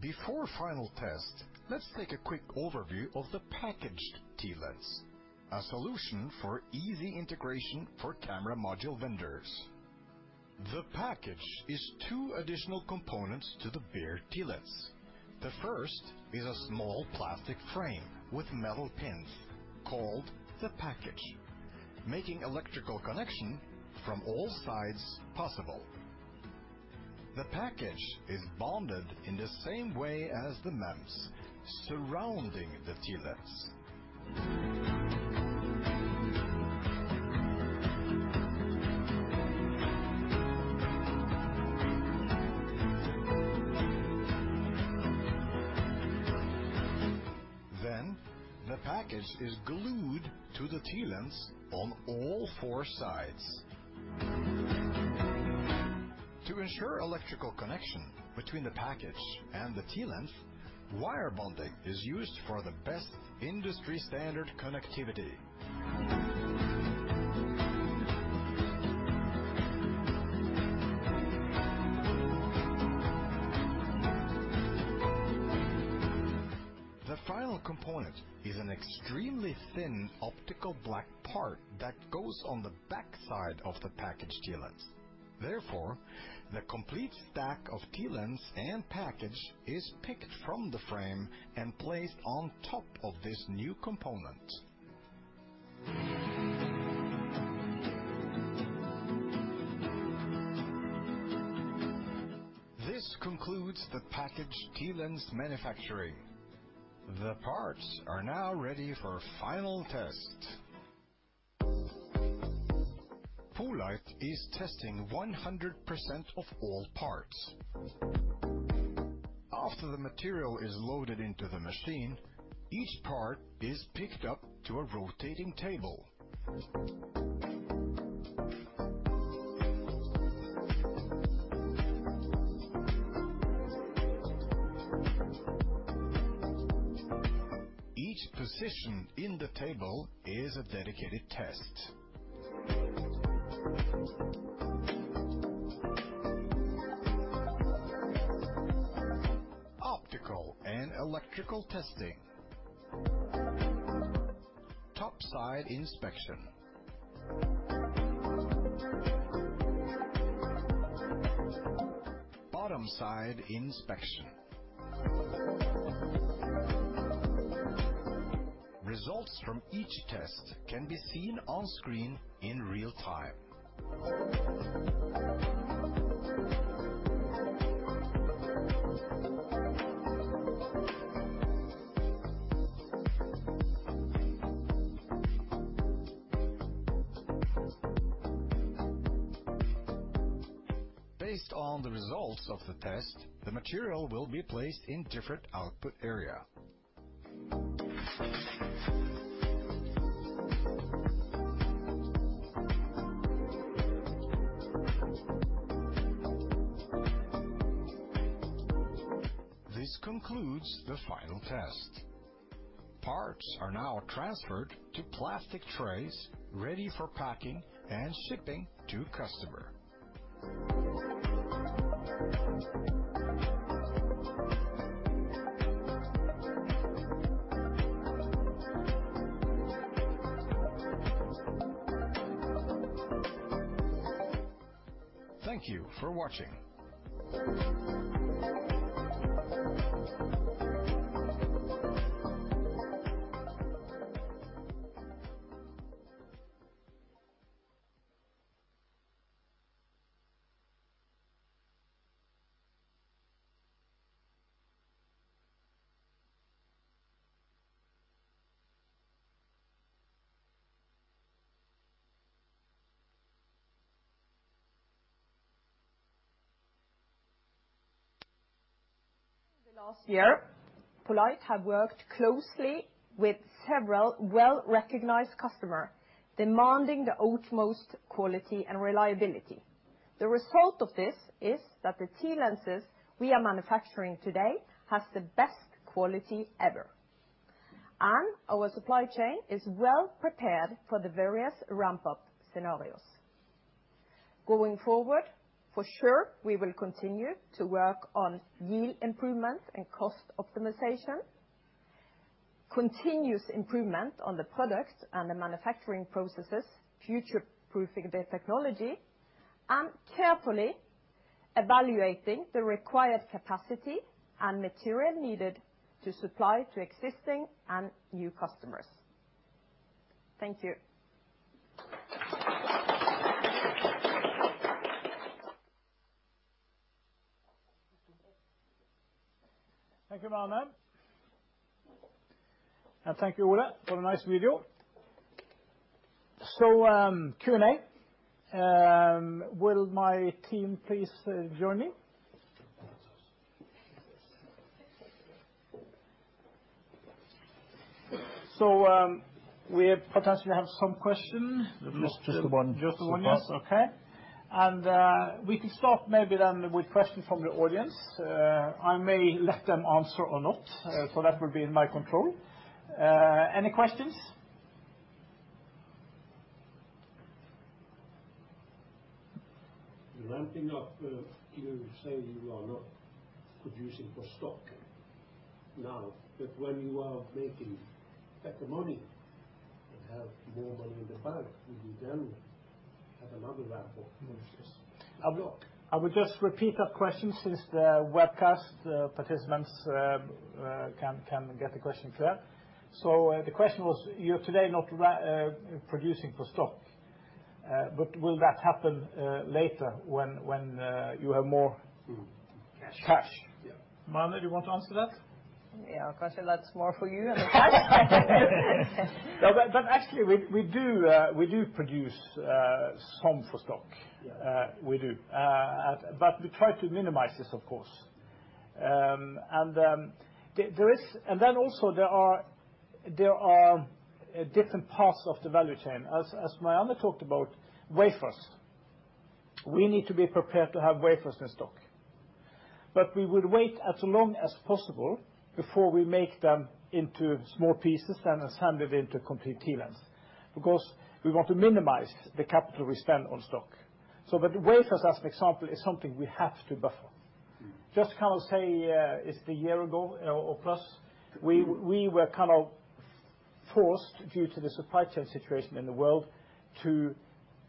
Before final test, let's take a quick overview of the packaged TLens, a solution for easy integration for camera module vendors. The package is two additional components to the bare TLens. The first is a small plastic frame with metal pins called the package, making electrical connection from all sides possible. The package is bonded in the same way as the MEMS, surrounding the TLens. The package is glued to the TLens on all four sides. To ensure electrical connection between the package and the TLens, wire bonding is used for the best industry standard connectivity. The final component is an extremely thin optical black part that goes on the backside of the packaged TLens. Therefore, the complete stack of TLens and package is picked from the frame and placed on top of this new component. This concludes the packaged TLens manufacturing. The parts are now ready for final test. poLight is testing 100% of all parts. After the material is loaded into the machine, each part is picked up to a rotating table. Each position in the table is a dedicated test. Optical and electrical testing. Top side inspection. Bottom side inspection. Results from each test can be seen on screen in real time. Based on the results of the test, the material will be placed in different output area. This concludes the final test. Parts are now transferred to plastic trays ready for packing and shipping to customer. Thank you for watching. The last year, poLight have worked closely with several well-recognized customer demanding the utmost quality and reliability. The result of this is that the TLenses we are manufacturing today has the best quality ever, and our supply chain is well prepared for the various ramp-up scenarios. Going forward, for sure, we will continue to work on yield improvement and cost optimization, continuous improvement on the products and the manufacturing processes, future-proofing the technology, and carefully evaluating the required capacity and material needed to supply to existing and new customers. Thank you. Thank you, Marianne. Thank you, Ole, for the nice video. Q&A, will my team please join me? We potentially have some question. Just the one. Just the one, yes. Okay. We can start maybe then with questions from the audience. I may let them answer or not. Yes. That will be in my control. Any questions? You say you are not producing for stock now, but when you are making better money and have more money in the bank, will you then have another ramp up? I will just repeat that question since the webcast participants can get the question clear. The question was, you're today not producing for stock, but will that happen later when you have more- Cash. -cash? Yeah. Marianne, do you want to answer that? Yeah. Of course, that's more for you and the guys. No, but actually we do produce some for stock. We do. We try to minimize this of course. There are different parts of the value chain. As Marianne talked about, wafers. We need to be prepared to have wafers in stock. We would wait as long as possible before we make them into small pieces, then it's handed into complete TLens. Because we want to minimize the capital we spend on stock. Wafers, as an example, is something we have to buffer. It's 1 year ago or plus, we were kind of forced, due to the supply chain situation in the world, to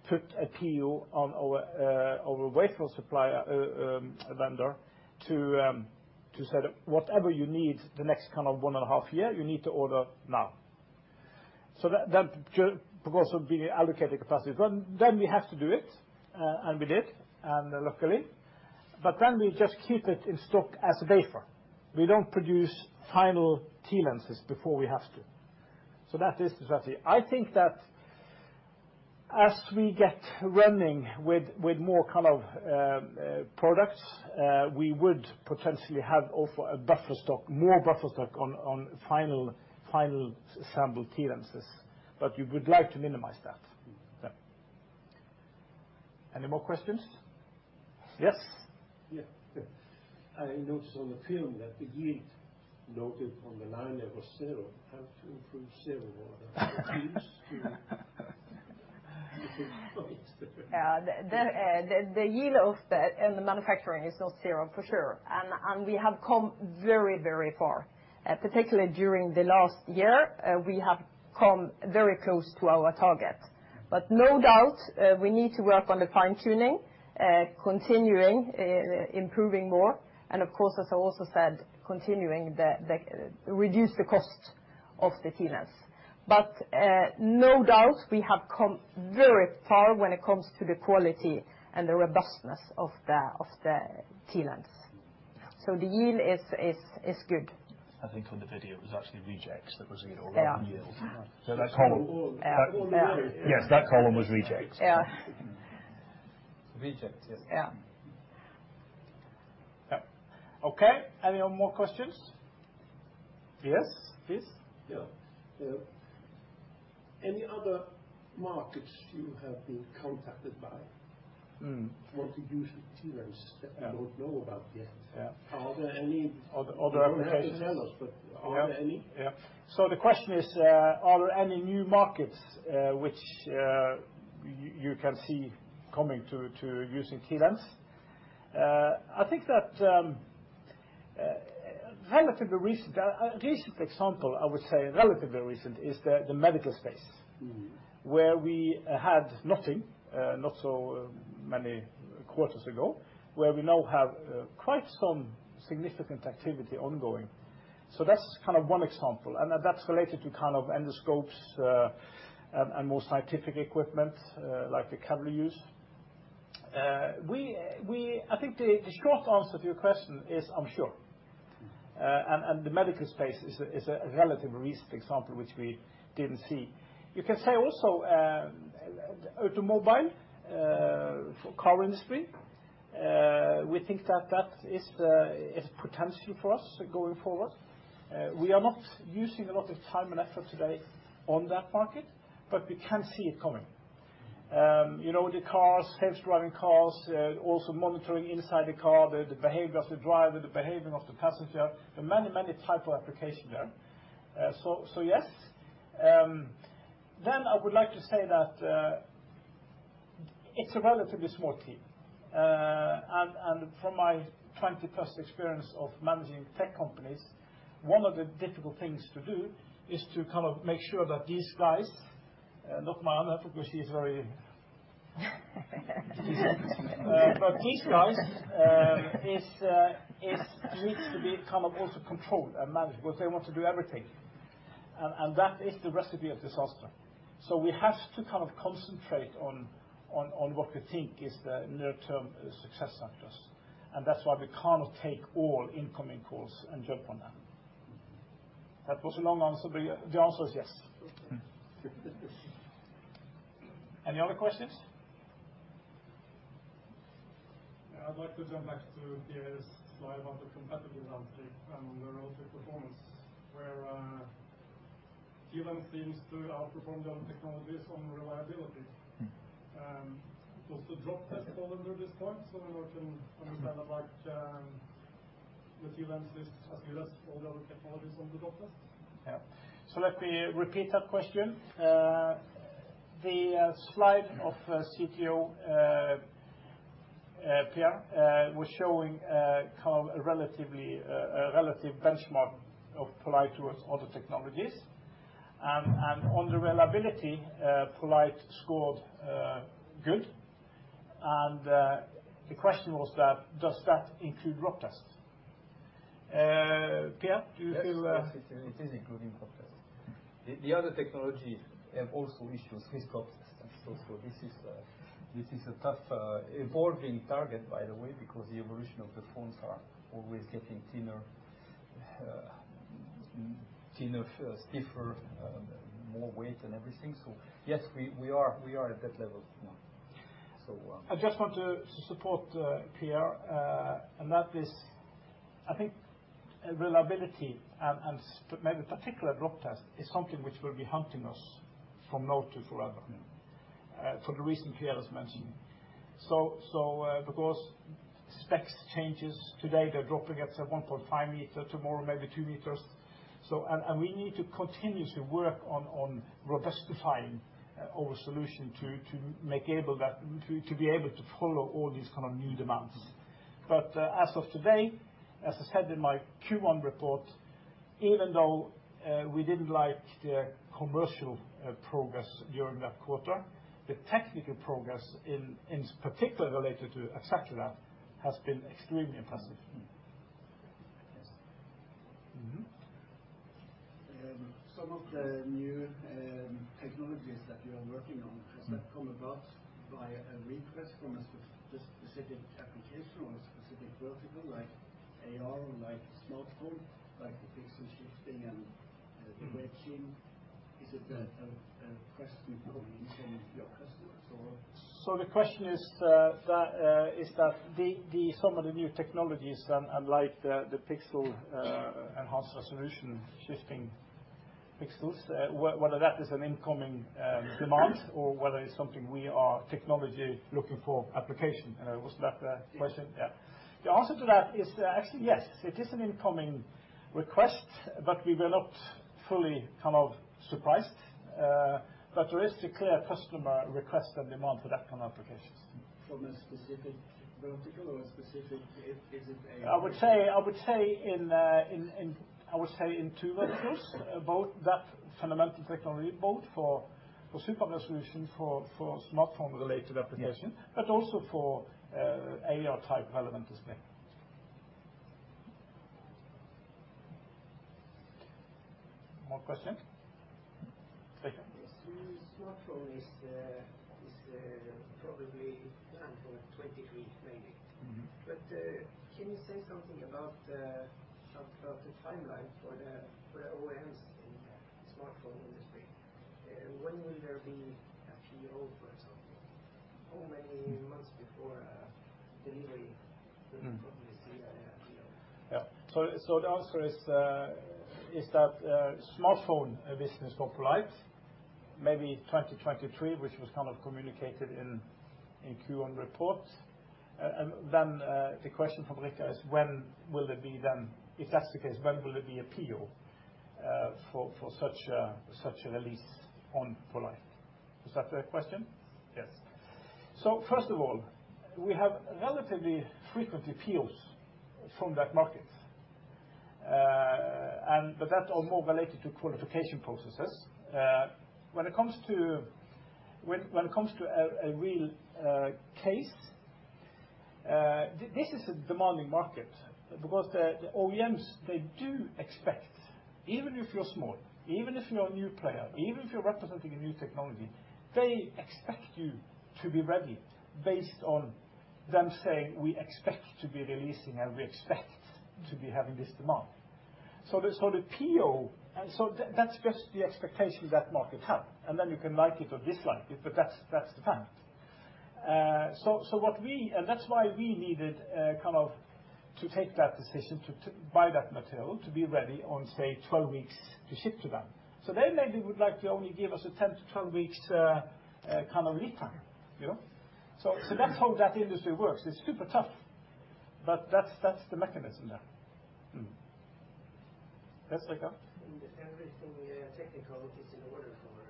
put a PO on our wafer supply vendor, to say that whatever you need the next kind of 1.5 year, you need to order now. That could also be allocated capacity. We have to do it, and we did, and luckily. We just keep it in stock as a wafer. We don't produce final TLenses before we have to. That is the strategy. I think that as we get running with more kind of products, we would potentially have also a buffer stock, more buffer stock on final sample TLenses. You would like to minimize that. Yeah. Any more questions? Yes. Yeah. I noticed on O-Film that the yield noted on the line there was zero. Have you improved zero or it seems to? The yield of the manufacturing is not zero for sure. We have come very, very far. Particularly during the last year, we have come very close to our target. No doubt, we need to work on the fine-tuning, continuing, improving more. Of course, as I also said, continuing to reduce the cost of the TLens. No doubt, we have come very far when it comes to the quality and the robustness of the TLens. The yield is good. I think on the video, it was actually rejects that was zero, not yield. Yeah. That column. Oh. Yeah. Yeah. Yes, that column was rejects. Yeah. Rejects, yes. Yeah. Yeah. Okay. Any more questions? Yes, please. Yeah. Yeah. Any other markets you have been contacted by? Mm. Want to use the TLens that we don't know about yet? Yeah. Are there any- Other applications. You don't have to tell us, but are there any? The question is, are there any new markets which you can see coming to using TLens? I think that a relatively recent example, I would say, is the medical space. Mm-hmm. Where we had nothing, not so many quarters ago, where we now have quite some significant activity ongoing. That's kind of one example, and that's related to kind of endoscopes, and more scientific equipment, like the Kavli use. I think the short answer to your question is, I'm sure. The medical space is a relatively recent example which we didn't see. You can say also, automotive for car industry. We think that is potential for us going forward. We are not using a lot of time and effort today on that market, but we can see it coming. You know, the cars, self-driving cars, also monitoring inside the car, the behavior of the driver, the behavior of the passenger. There are many, many types of applications there. Yes. I would like to say that it's a relatively small team. From my 20+ experience of managing tech companies, one of the difficult things to do is to kind of make sure that these guys, not Marianne, because she's very, but these guys needs to be kind of also controlled and managed because they want to do everything. That is the recipe for disaster. We have to kind of concentrate on what we think is the near-term success factors. That's why we cannot take all incoming calls and jump on that. That was a long answer, but the answer is yes. Okay. Any other questions? Yeah. I'd like to jump back to Pierre's slide about the competitive landscape and the relative performance, where TLens seems to outperform the other technologies on reliability. Does the drop test fall under this point so that we can understand that, like, the TLens is as good as all the other technologies on the drop test? Yeah. Let me repeat that question. The slide of CTO Pierre was showing kind of a relative benchmark of poLight towards other technologies. On the reliability, poLight scored good. The question was that, does that include drop tests? Pierre, do you feel- Yes, yes, it is including drop tests. The other technologies have also issues with drop tests. This is a tough evolving target, by the way, because the evolution of the phones are always getting thinner. You know, stiffer, more weight and everything. Yes, we are at that level now. I just want to support Pierre, and that is, I think, reliability and maybe particular drop test is something which will be haunting us from now to forever. Mm-hmm. For the reason Pierre has mentioned. Because specs changes, today they're dropping it at 1.5 meters, tomorrow maybe 2 meters. We need to continuously work on robustifying our solution to be able to follow all these kind of new demands. As of today, as I said in my Q1 report, even though we didn't like the commercial progress during that quarter, the technical progress in particular related to Axera has been extremely impressive. Mm-hmm. Yes. Mm-hmm. Some of the new technologies that you are working on, has that come about via a request from a specific application or a specific vertical like AR or like smartphone, like the pixel shifting and the wedging? Is it a request from your customers or? The question is it some of the new technologies, unlike the pixel-enhanced resolution shifting pixels, whether that is an incoming demand or whether it's something we are the technology looking for application. Was that the question? Yeah. The answer to that is actually yes. It is an incoming request, but we were not fully kind of surprised. There is a clear customer request and demand for that kind of applications. From a specific vertical or a specific. I would say in two verticals. Both the fundamental technology for super resolution for smartphone related application. Yeah. Also for, AR type relevant display. More questions? Rika. Yes. Smartphone is probably planned for 2023 maybe. Mm-hmm. Can you say something about the timeline for the OEMs in the smartphone industry? When will there be a PO, for example? How many months before delivery from this PO? The answer is that smartphone business for poLight, maybe 2023, which was kind of communicated in Q1 reports. The question from Rika is when will it be then, if that's the case, when will it be a PO for such a release on poLight? Is that the question? Yes. First of all, we have relatively frequent POs from that market. But that are more related to qualification processes. When it comes to a real case, this is a demanding market. Because the OEMs, they do expect, even if you're small, even if you're a new player, even if you're representing a new technology, they expect you to be ready based on them saying, "We expect to be releasing, and we expect to be having this demand." That's just the expectation that the market has. Then you can like it or dislike it, but that's the fact. That's why we needed kind of to take that decision to buy that material to be ready in, say, 12 weeks to ship to them. They maybe would like to only give us a 10-12 weeks kind of lead time, you know. That's how that industry works. It's super tough, but that's the mechanism there. Yes, Rika. If everything technical is in order for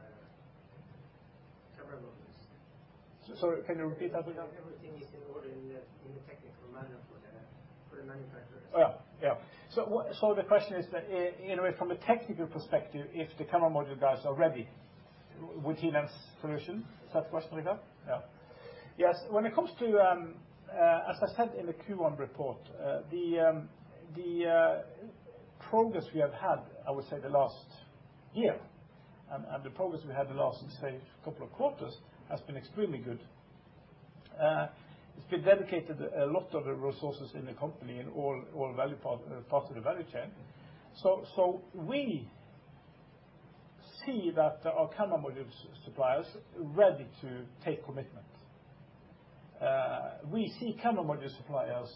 camera modules. Sorry, can you repeat that again? If everything is in order in the technical manner for the manufacturers. Oh, yeah. The question is that in a way, from a technical perspective, if the camera module guys are ready with TLens solution, is that the question, Rika? Yeah. Yes. When it comes to, as I said in the Q1 report, the progress we have had, I would say the last year, and the progress we had the last, say, couple of quarters, has been extremely good. We have dedicated a lot of resources in the company in all parts of the value chain. We see that our camera module suppliers ready to take commitment. We see camera module suppliers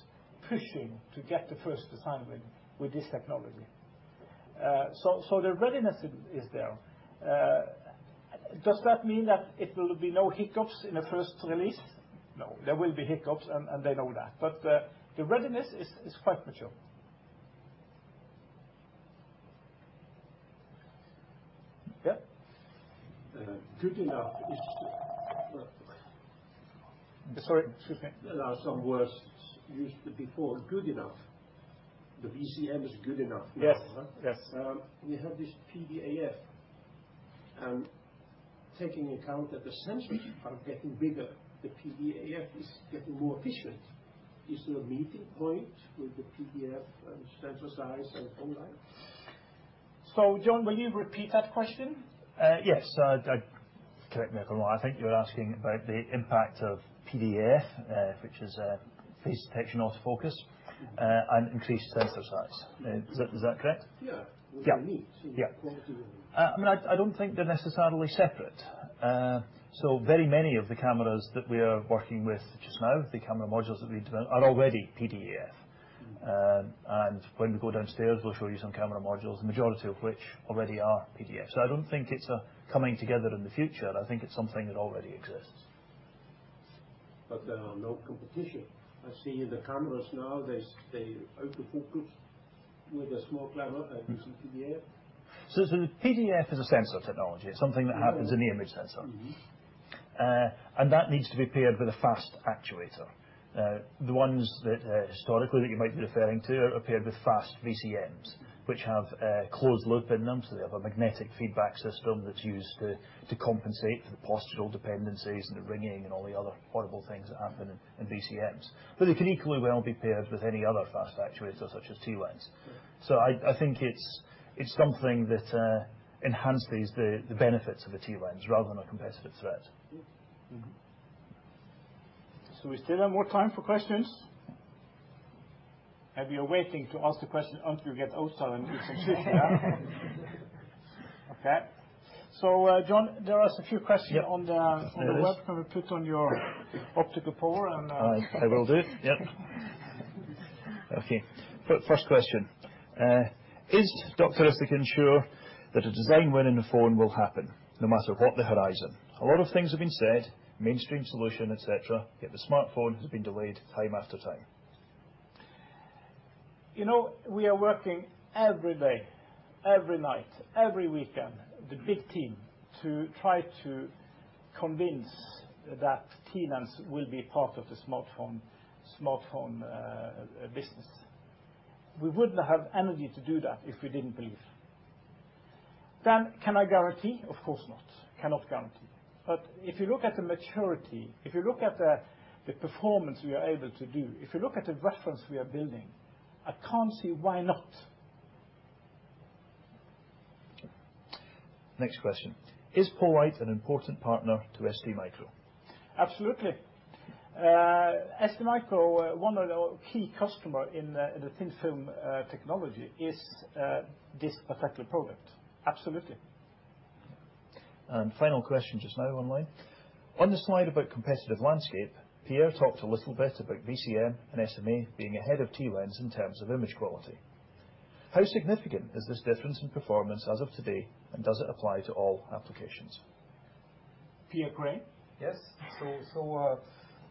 pushing to get the first design win with this technology. The readiness is there. Does that mean that it will be no hiccups in the first release? No. There will be hiccups and they know that. The readiness is quite mature. Yeah. Uh, good enough is- Sorry. Excuse me. There are some worse used before good enough. The VCM is good enough. Yes. Yes. We have this PDAF. Taking account that the sensors are getting bigger, the PDAF is getting more efficient. Is there a meeting point with the PDAF and sensor size and format? Jon, will you repeat that question? Yes. Correct me if I'm wrong, I think you're asking about the impact of PDAF, which is Phase Detection AutoFocus, and increased sensor size. Is that correct? Yeah. Yeah. With the needs, you know, quality will need. I mean, I don't think they're necessarily separate. So very many of the cameras that we are working with just now, the camera modules that we developed are already PDAF. When we go downstairs, we'll show you some camera modules, the majority of which already are PDAF. I don't think it's a coming together in the future. I think it's something that already exists. There are no competition. I see the cameras now, they stay out of focus with a small camera that uses PDAF. The PDAF is a sensor technology, something that happens in the image sensor. Mm-hmm. That needs to be paired with a fast actuator. The ones that historically you might be referring to are paired with fast VCMs, which have closed loop in them, so they have a magnetic feedback system that's used to compensate for the positional dependencies and the ringing and all the other horrible things that happen in VCMs. It can equally well be paired with any other fast actuator such as TLens®. Yeah. I think it's something that enhances the benefits of a TLens® rather than a competitive threat. Mm-hmm. Mm-hmm. We still have more time for questions. Maybe you're waiting to ask the question until you get outside and eat some sushi, huh? Okay. Jon, there are a few questions. Yep. There is. On the web. Can we put on your optical power and? I will do. Yep. Okay. First question. Is Dr. Isaksen can ensure that a design win in the phone will happen no matter what the horizon? A lot of things have been said, mainstream solution, et cetera, yet the smartphone has been delayed time after time. You know, we are working every day, every night, every weekend, the big team, to try to convince that TLens® will be part of the smartphone business. We wouldn't have energy to do that if we didn't believe. Can I guarantee? Of course not. Cannot guarantee. If you look at the maturity, if you look at the performance we are able to do, if you look at the reference we are building, I can't see why not. Next question. Is poLight an important partner to STMicro? Absolutely. STMicro, one of our key customer in the thin film technology is this particular product. Absolutely. Final question just now online. On the slide about competitive landscape, Pierre talked a little bit about VCM and SMA being ahead of TLens® in terms of image quality. How significant is this difference in performance as of today, and does it apply to all applications? Pierre Craen. Yes.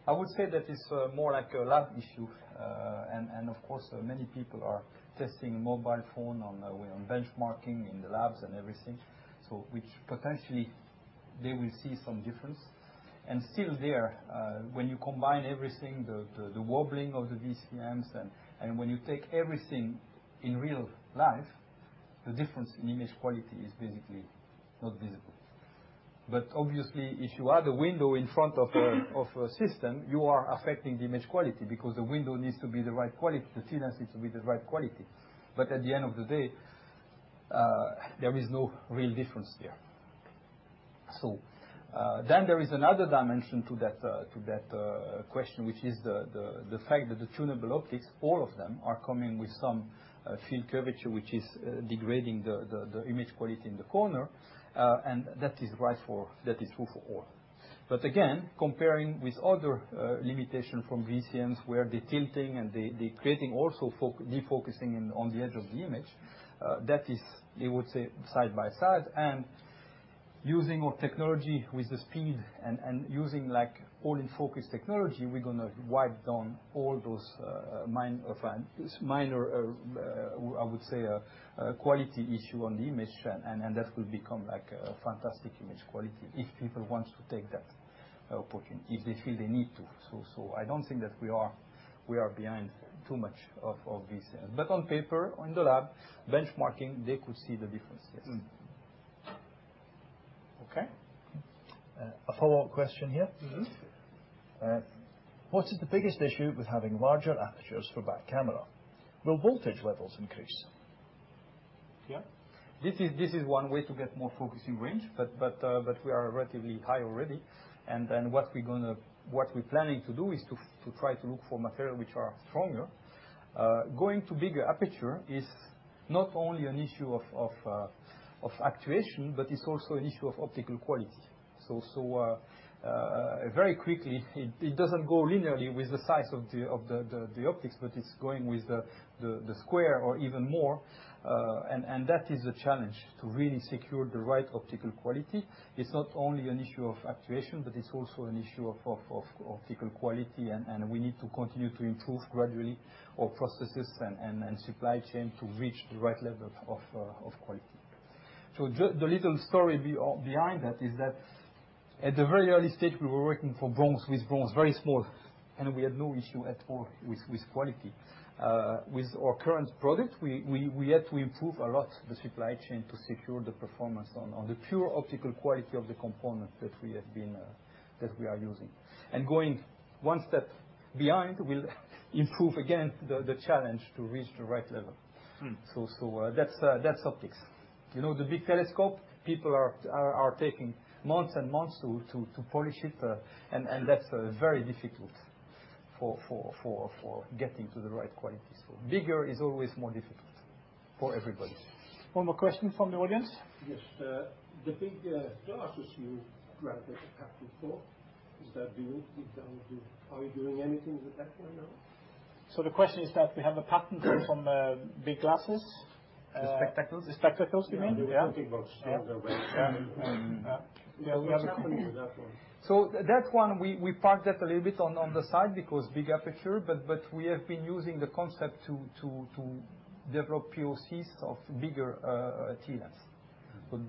I would say that it's more like a lab issue. Of course, many people are testing mobile phone on benchmarking in the labs and everything. Which potentially they will see some difference. Still there, when you combine everything, the wobbling of the VCMs and when you take everything in real life, the difference in image quality is basically not visible. Obviously, if you add a window in front of a system, you are affecting the image quality because the window needs to be the right quality. The TLens® needs to be the right quality. At the end of the day, there is no real difference there. There is another dimension to that question, which is the fact that the tunable optics, all of them are coming with some field curvature, which is degrading the image quality in the corner. That is true for all. Again, comparing with other limitation from VCMs, where the tilting and the creating also defocusing on the edge of the image, that is, you would say, side by side. Using our technology with the speed and using like all-in-focus technology, we're gonna wipe down all those minor quality issue on the image. That will become like a fantastic image quality if people want to take that opportunity, if they feel they need to. I don't think that we are behind too much of VCM. On paper, in the lab, benchmarking, they could see the differences. Mm-hmm. Okay. A follow-up question here. Mm-hmm. What is the biggest issue with having larger apertures for back camera? Will voltage levels increase? Pierre? This is one way to get more focusing range, but we are relatively high already. Then what we're planning to do is to try to look for material which are stronger. Going to bigger aperture is not only an issue of actuation, but it's also an issue of optical quality. Very quickly, it doesn't go linearly with the size of the optics, but it's going with the square or even more. That is a challenge to really secure the right optical quality. It's not only an issue of actuation, but it's also an issue of optical quality, and we need to continue to improve gradually our processes and supply chain to reach the right level of quality. The little story behind that is that at the very early stage, we were working with Bronze, very small, and we had no issue at all with quality. With our current product, we had to improve a lot the supply chain to secure the performance on the pure optical quality of the component that we are using. Going one step behind will improve again the challenge to reach the right level. Hmm. That's optics. You know the big telescope? People are taking months and months to polish it, and that's very difficult. For getting to the right qualities. Bigger is always more difficult for everybody. One more question from the audience. Yes, sir. The big glasses you grabbed a patent for, is that doing? Are you doing anything with that one now? The question is that we have a patent from big glasses. The spectacles. The spectacles, you mean? Yeah. The reading glasses. Yeah. Yeah. Mm-hmm. Yeah, we have a. What's happening with that one? That one, we parked that a little bit on the side because big aperture, but we have been using the concept to develop POCs of bigger TLens.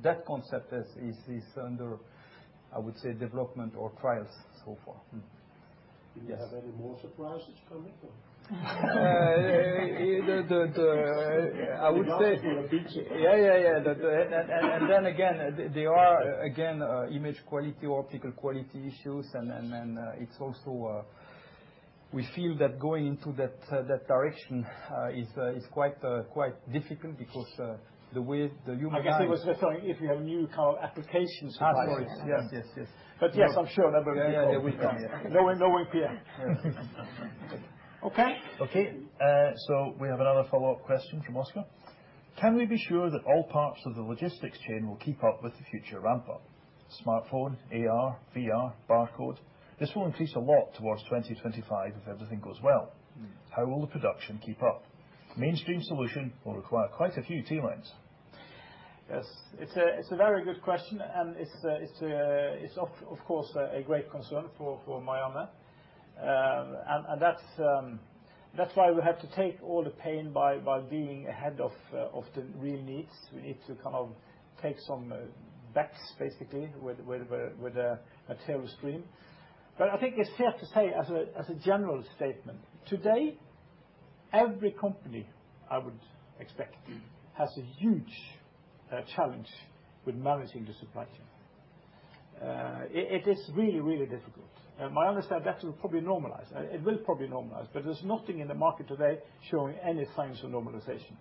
That concept is under, I would say, development or trials so far. Mm-hmm. Yes. Do you have any more surprises coming or? Yeah. There are image quality, optical quality issues, and then it's also. We feel that going into that direction is quite difficult because the way the human eye is. I guess he was referring if you have new kind of application suppliers. Supplies. Yes, yes. Yes, I'm sure there will be more. Yeah, yeah, they will come. Yeah. No worry, Pierre. Okay. We have another follow-up question from Oscar. Can we be sure that all parts of the logistics chain will keep up with the future ramp up? Smartphone, AR, VR, barcode. This will increase a lot towards 2025 if everything goes well. Mm. How will the production keep up? Mainstream solution will require quite a few TLens. Yes. It's a very good question, and it's of course a great concern for Marianne Sandal. That's why we have to take all the pain by being ahead of the real needs. We need to kind of take some bets basically with the material stream. I think it's fair to say as a general statement, today, every company I would expect has a huge challenge with managing the supply chain. It is really difficult. My understanding, that will probably normalize. It will probably normalize, but there's nothing in the market today showing any signs of normalization.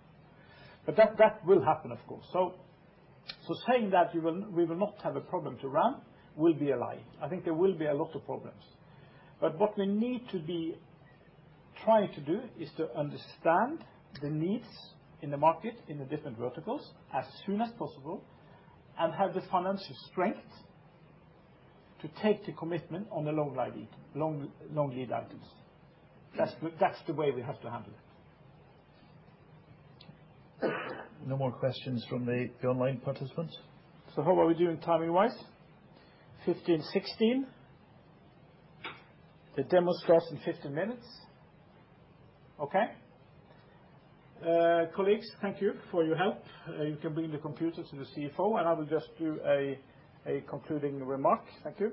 That will happen, of course. Saying that we will not have a problem to ramp will be a lie. I think there will be a lot of problems. What we need to be trying to do is to understand the needs in the market, in the different verticals as soon as possible, and have the financial strength to take the commitment on the long lead items. That's the way we have to handle it. No more questions from the online participants. How are we doing timing-wise? 3:16 P.M. The demo starts in 15 minutes. Okay. Colleagues, thank you for your help. You can bring the computer to the CFO, and I will just do a concluding remark. Thank you.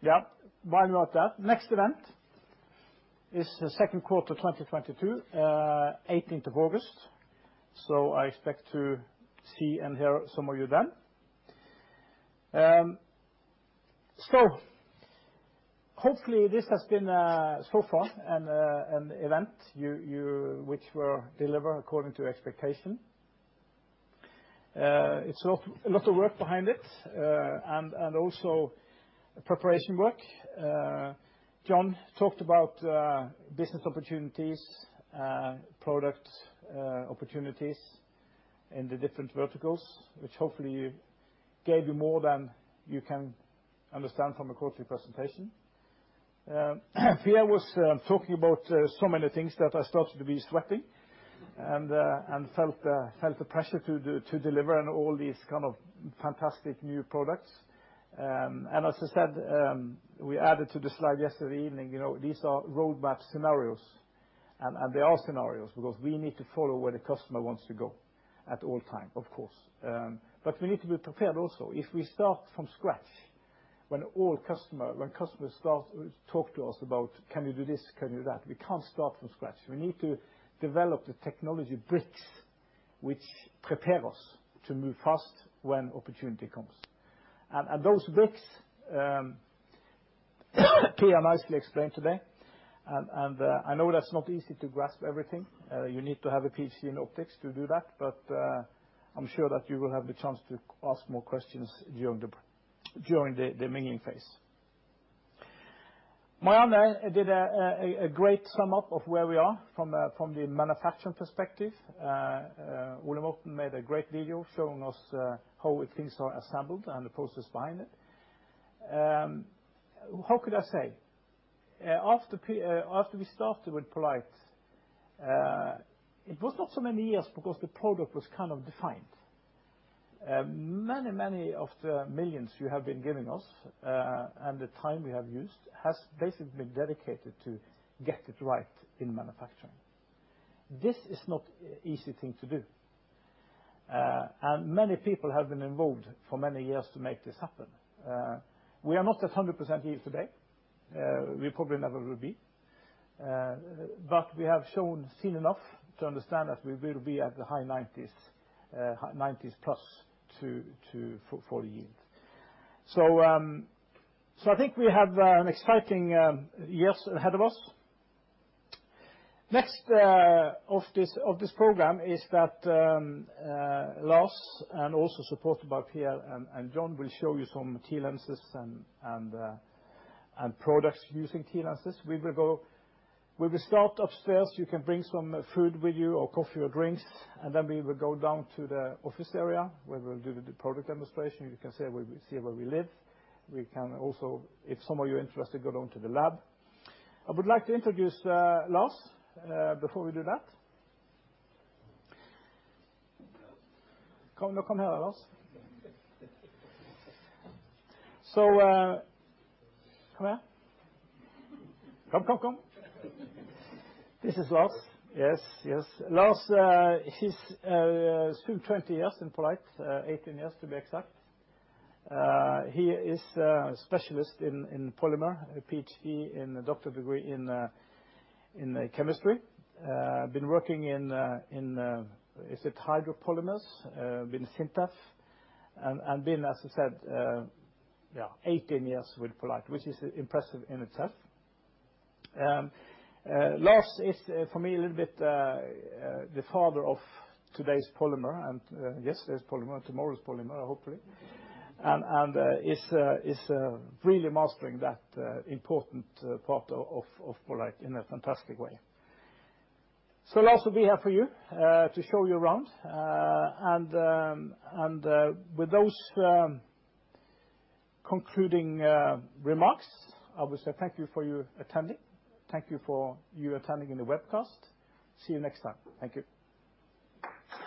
Yeah. While we're at that, next event is the second quarter 2022, 18th of August. I expect to see and hear some of you then. Hopefully this has been, so far, an event which we deliver according to expectation. It's a lot of work behind it, and also preparation work. Jon talked about business opportunities, product opportunities in the different verticals, which hopefully gave you more than you can understand from a quarterly presentation. Pierre was talking about so many things that I started to be sweating and felt the pressure to deliver on all these kind of fantastic new products. As I said, we added to the slide yesterday evening, you know, these are roadmap scenarios, and they are scenarios because we need to follow where the customer wants to go at all time, of course. We need to be prepared also. If we start from scratch when customers start to talk to us about can we do this, can we do that? We can't start from scratch. We need to develop the technology bricks which prepare us to move fast when opportunity comes. Those bricks, Pierre nicely explained today. I know that's not easy to grasp everything. You need to have a PhD in optics to do that. I'm sure that you will have the chance to ask more questions during the mingling phase. Marianne Sandal did a great sum up of where we are from the manufacturing perspective. Ole Morten made a great video showing us how things are assembled and the process behind it. After we started with poLight, it was not so many years because the product was kind of defined. Many of the millions you have been giving us, and the time we have used has basically been dedicated to get it right in manufacturing. This is not easy thing to do. Many people have been involved for many years to make this happen. We are not at 100% yield today. We probably never will be. We have shown soon enough to understand that we will be at the high 90s plus for yield. I think we have an exciting years ahead of us. Next of this program is that Lars and also supported by Pierre and John will show you some TLenses and products using TLenses. We will start upstairs. You can bring some food with you or coffee or drinks, and then we will go down to the office area, where we'll do the product demonstration. You can see where we live. We can also, if some of you are interested, go down to the lab. I would like to introduce Lars before we do that. Come. No, come here, Lars. Come here. Come. This is Lars. Yes. Yes. Lars, he's spent 20 years in poLight, 18 years to be exact. He is a specialist in polymer, a PhD and a doctorate degree in chemistry. Been working in hydro polymers. Been in SINTEF and, as I said, yeah, 18 years with poLight, which is impressive in itself. Lars is, for me, a little bit the father of today's polymer and yesterday's polymer and tomorrow's polymer, hopefully. Is really mastering that important part of poLight in a fantastic way. Lars will be here for you to show you around. With those concluding remarks, I will say thank you for your attending. Thank you for your attending in the webcast. See you next time. Thank you.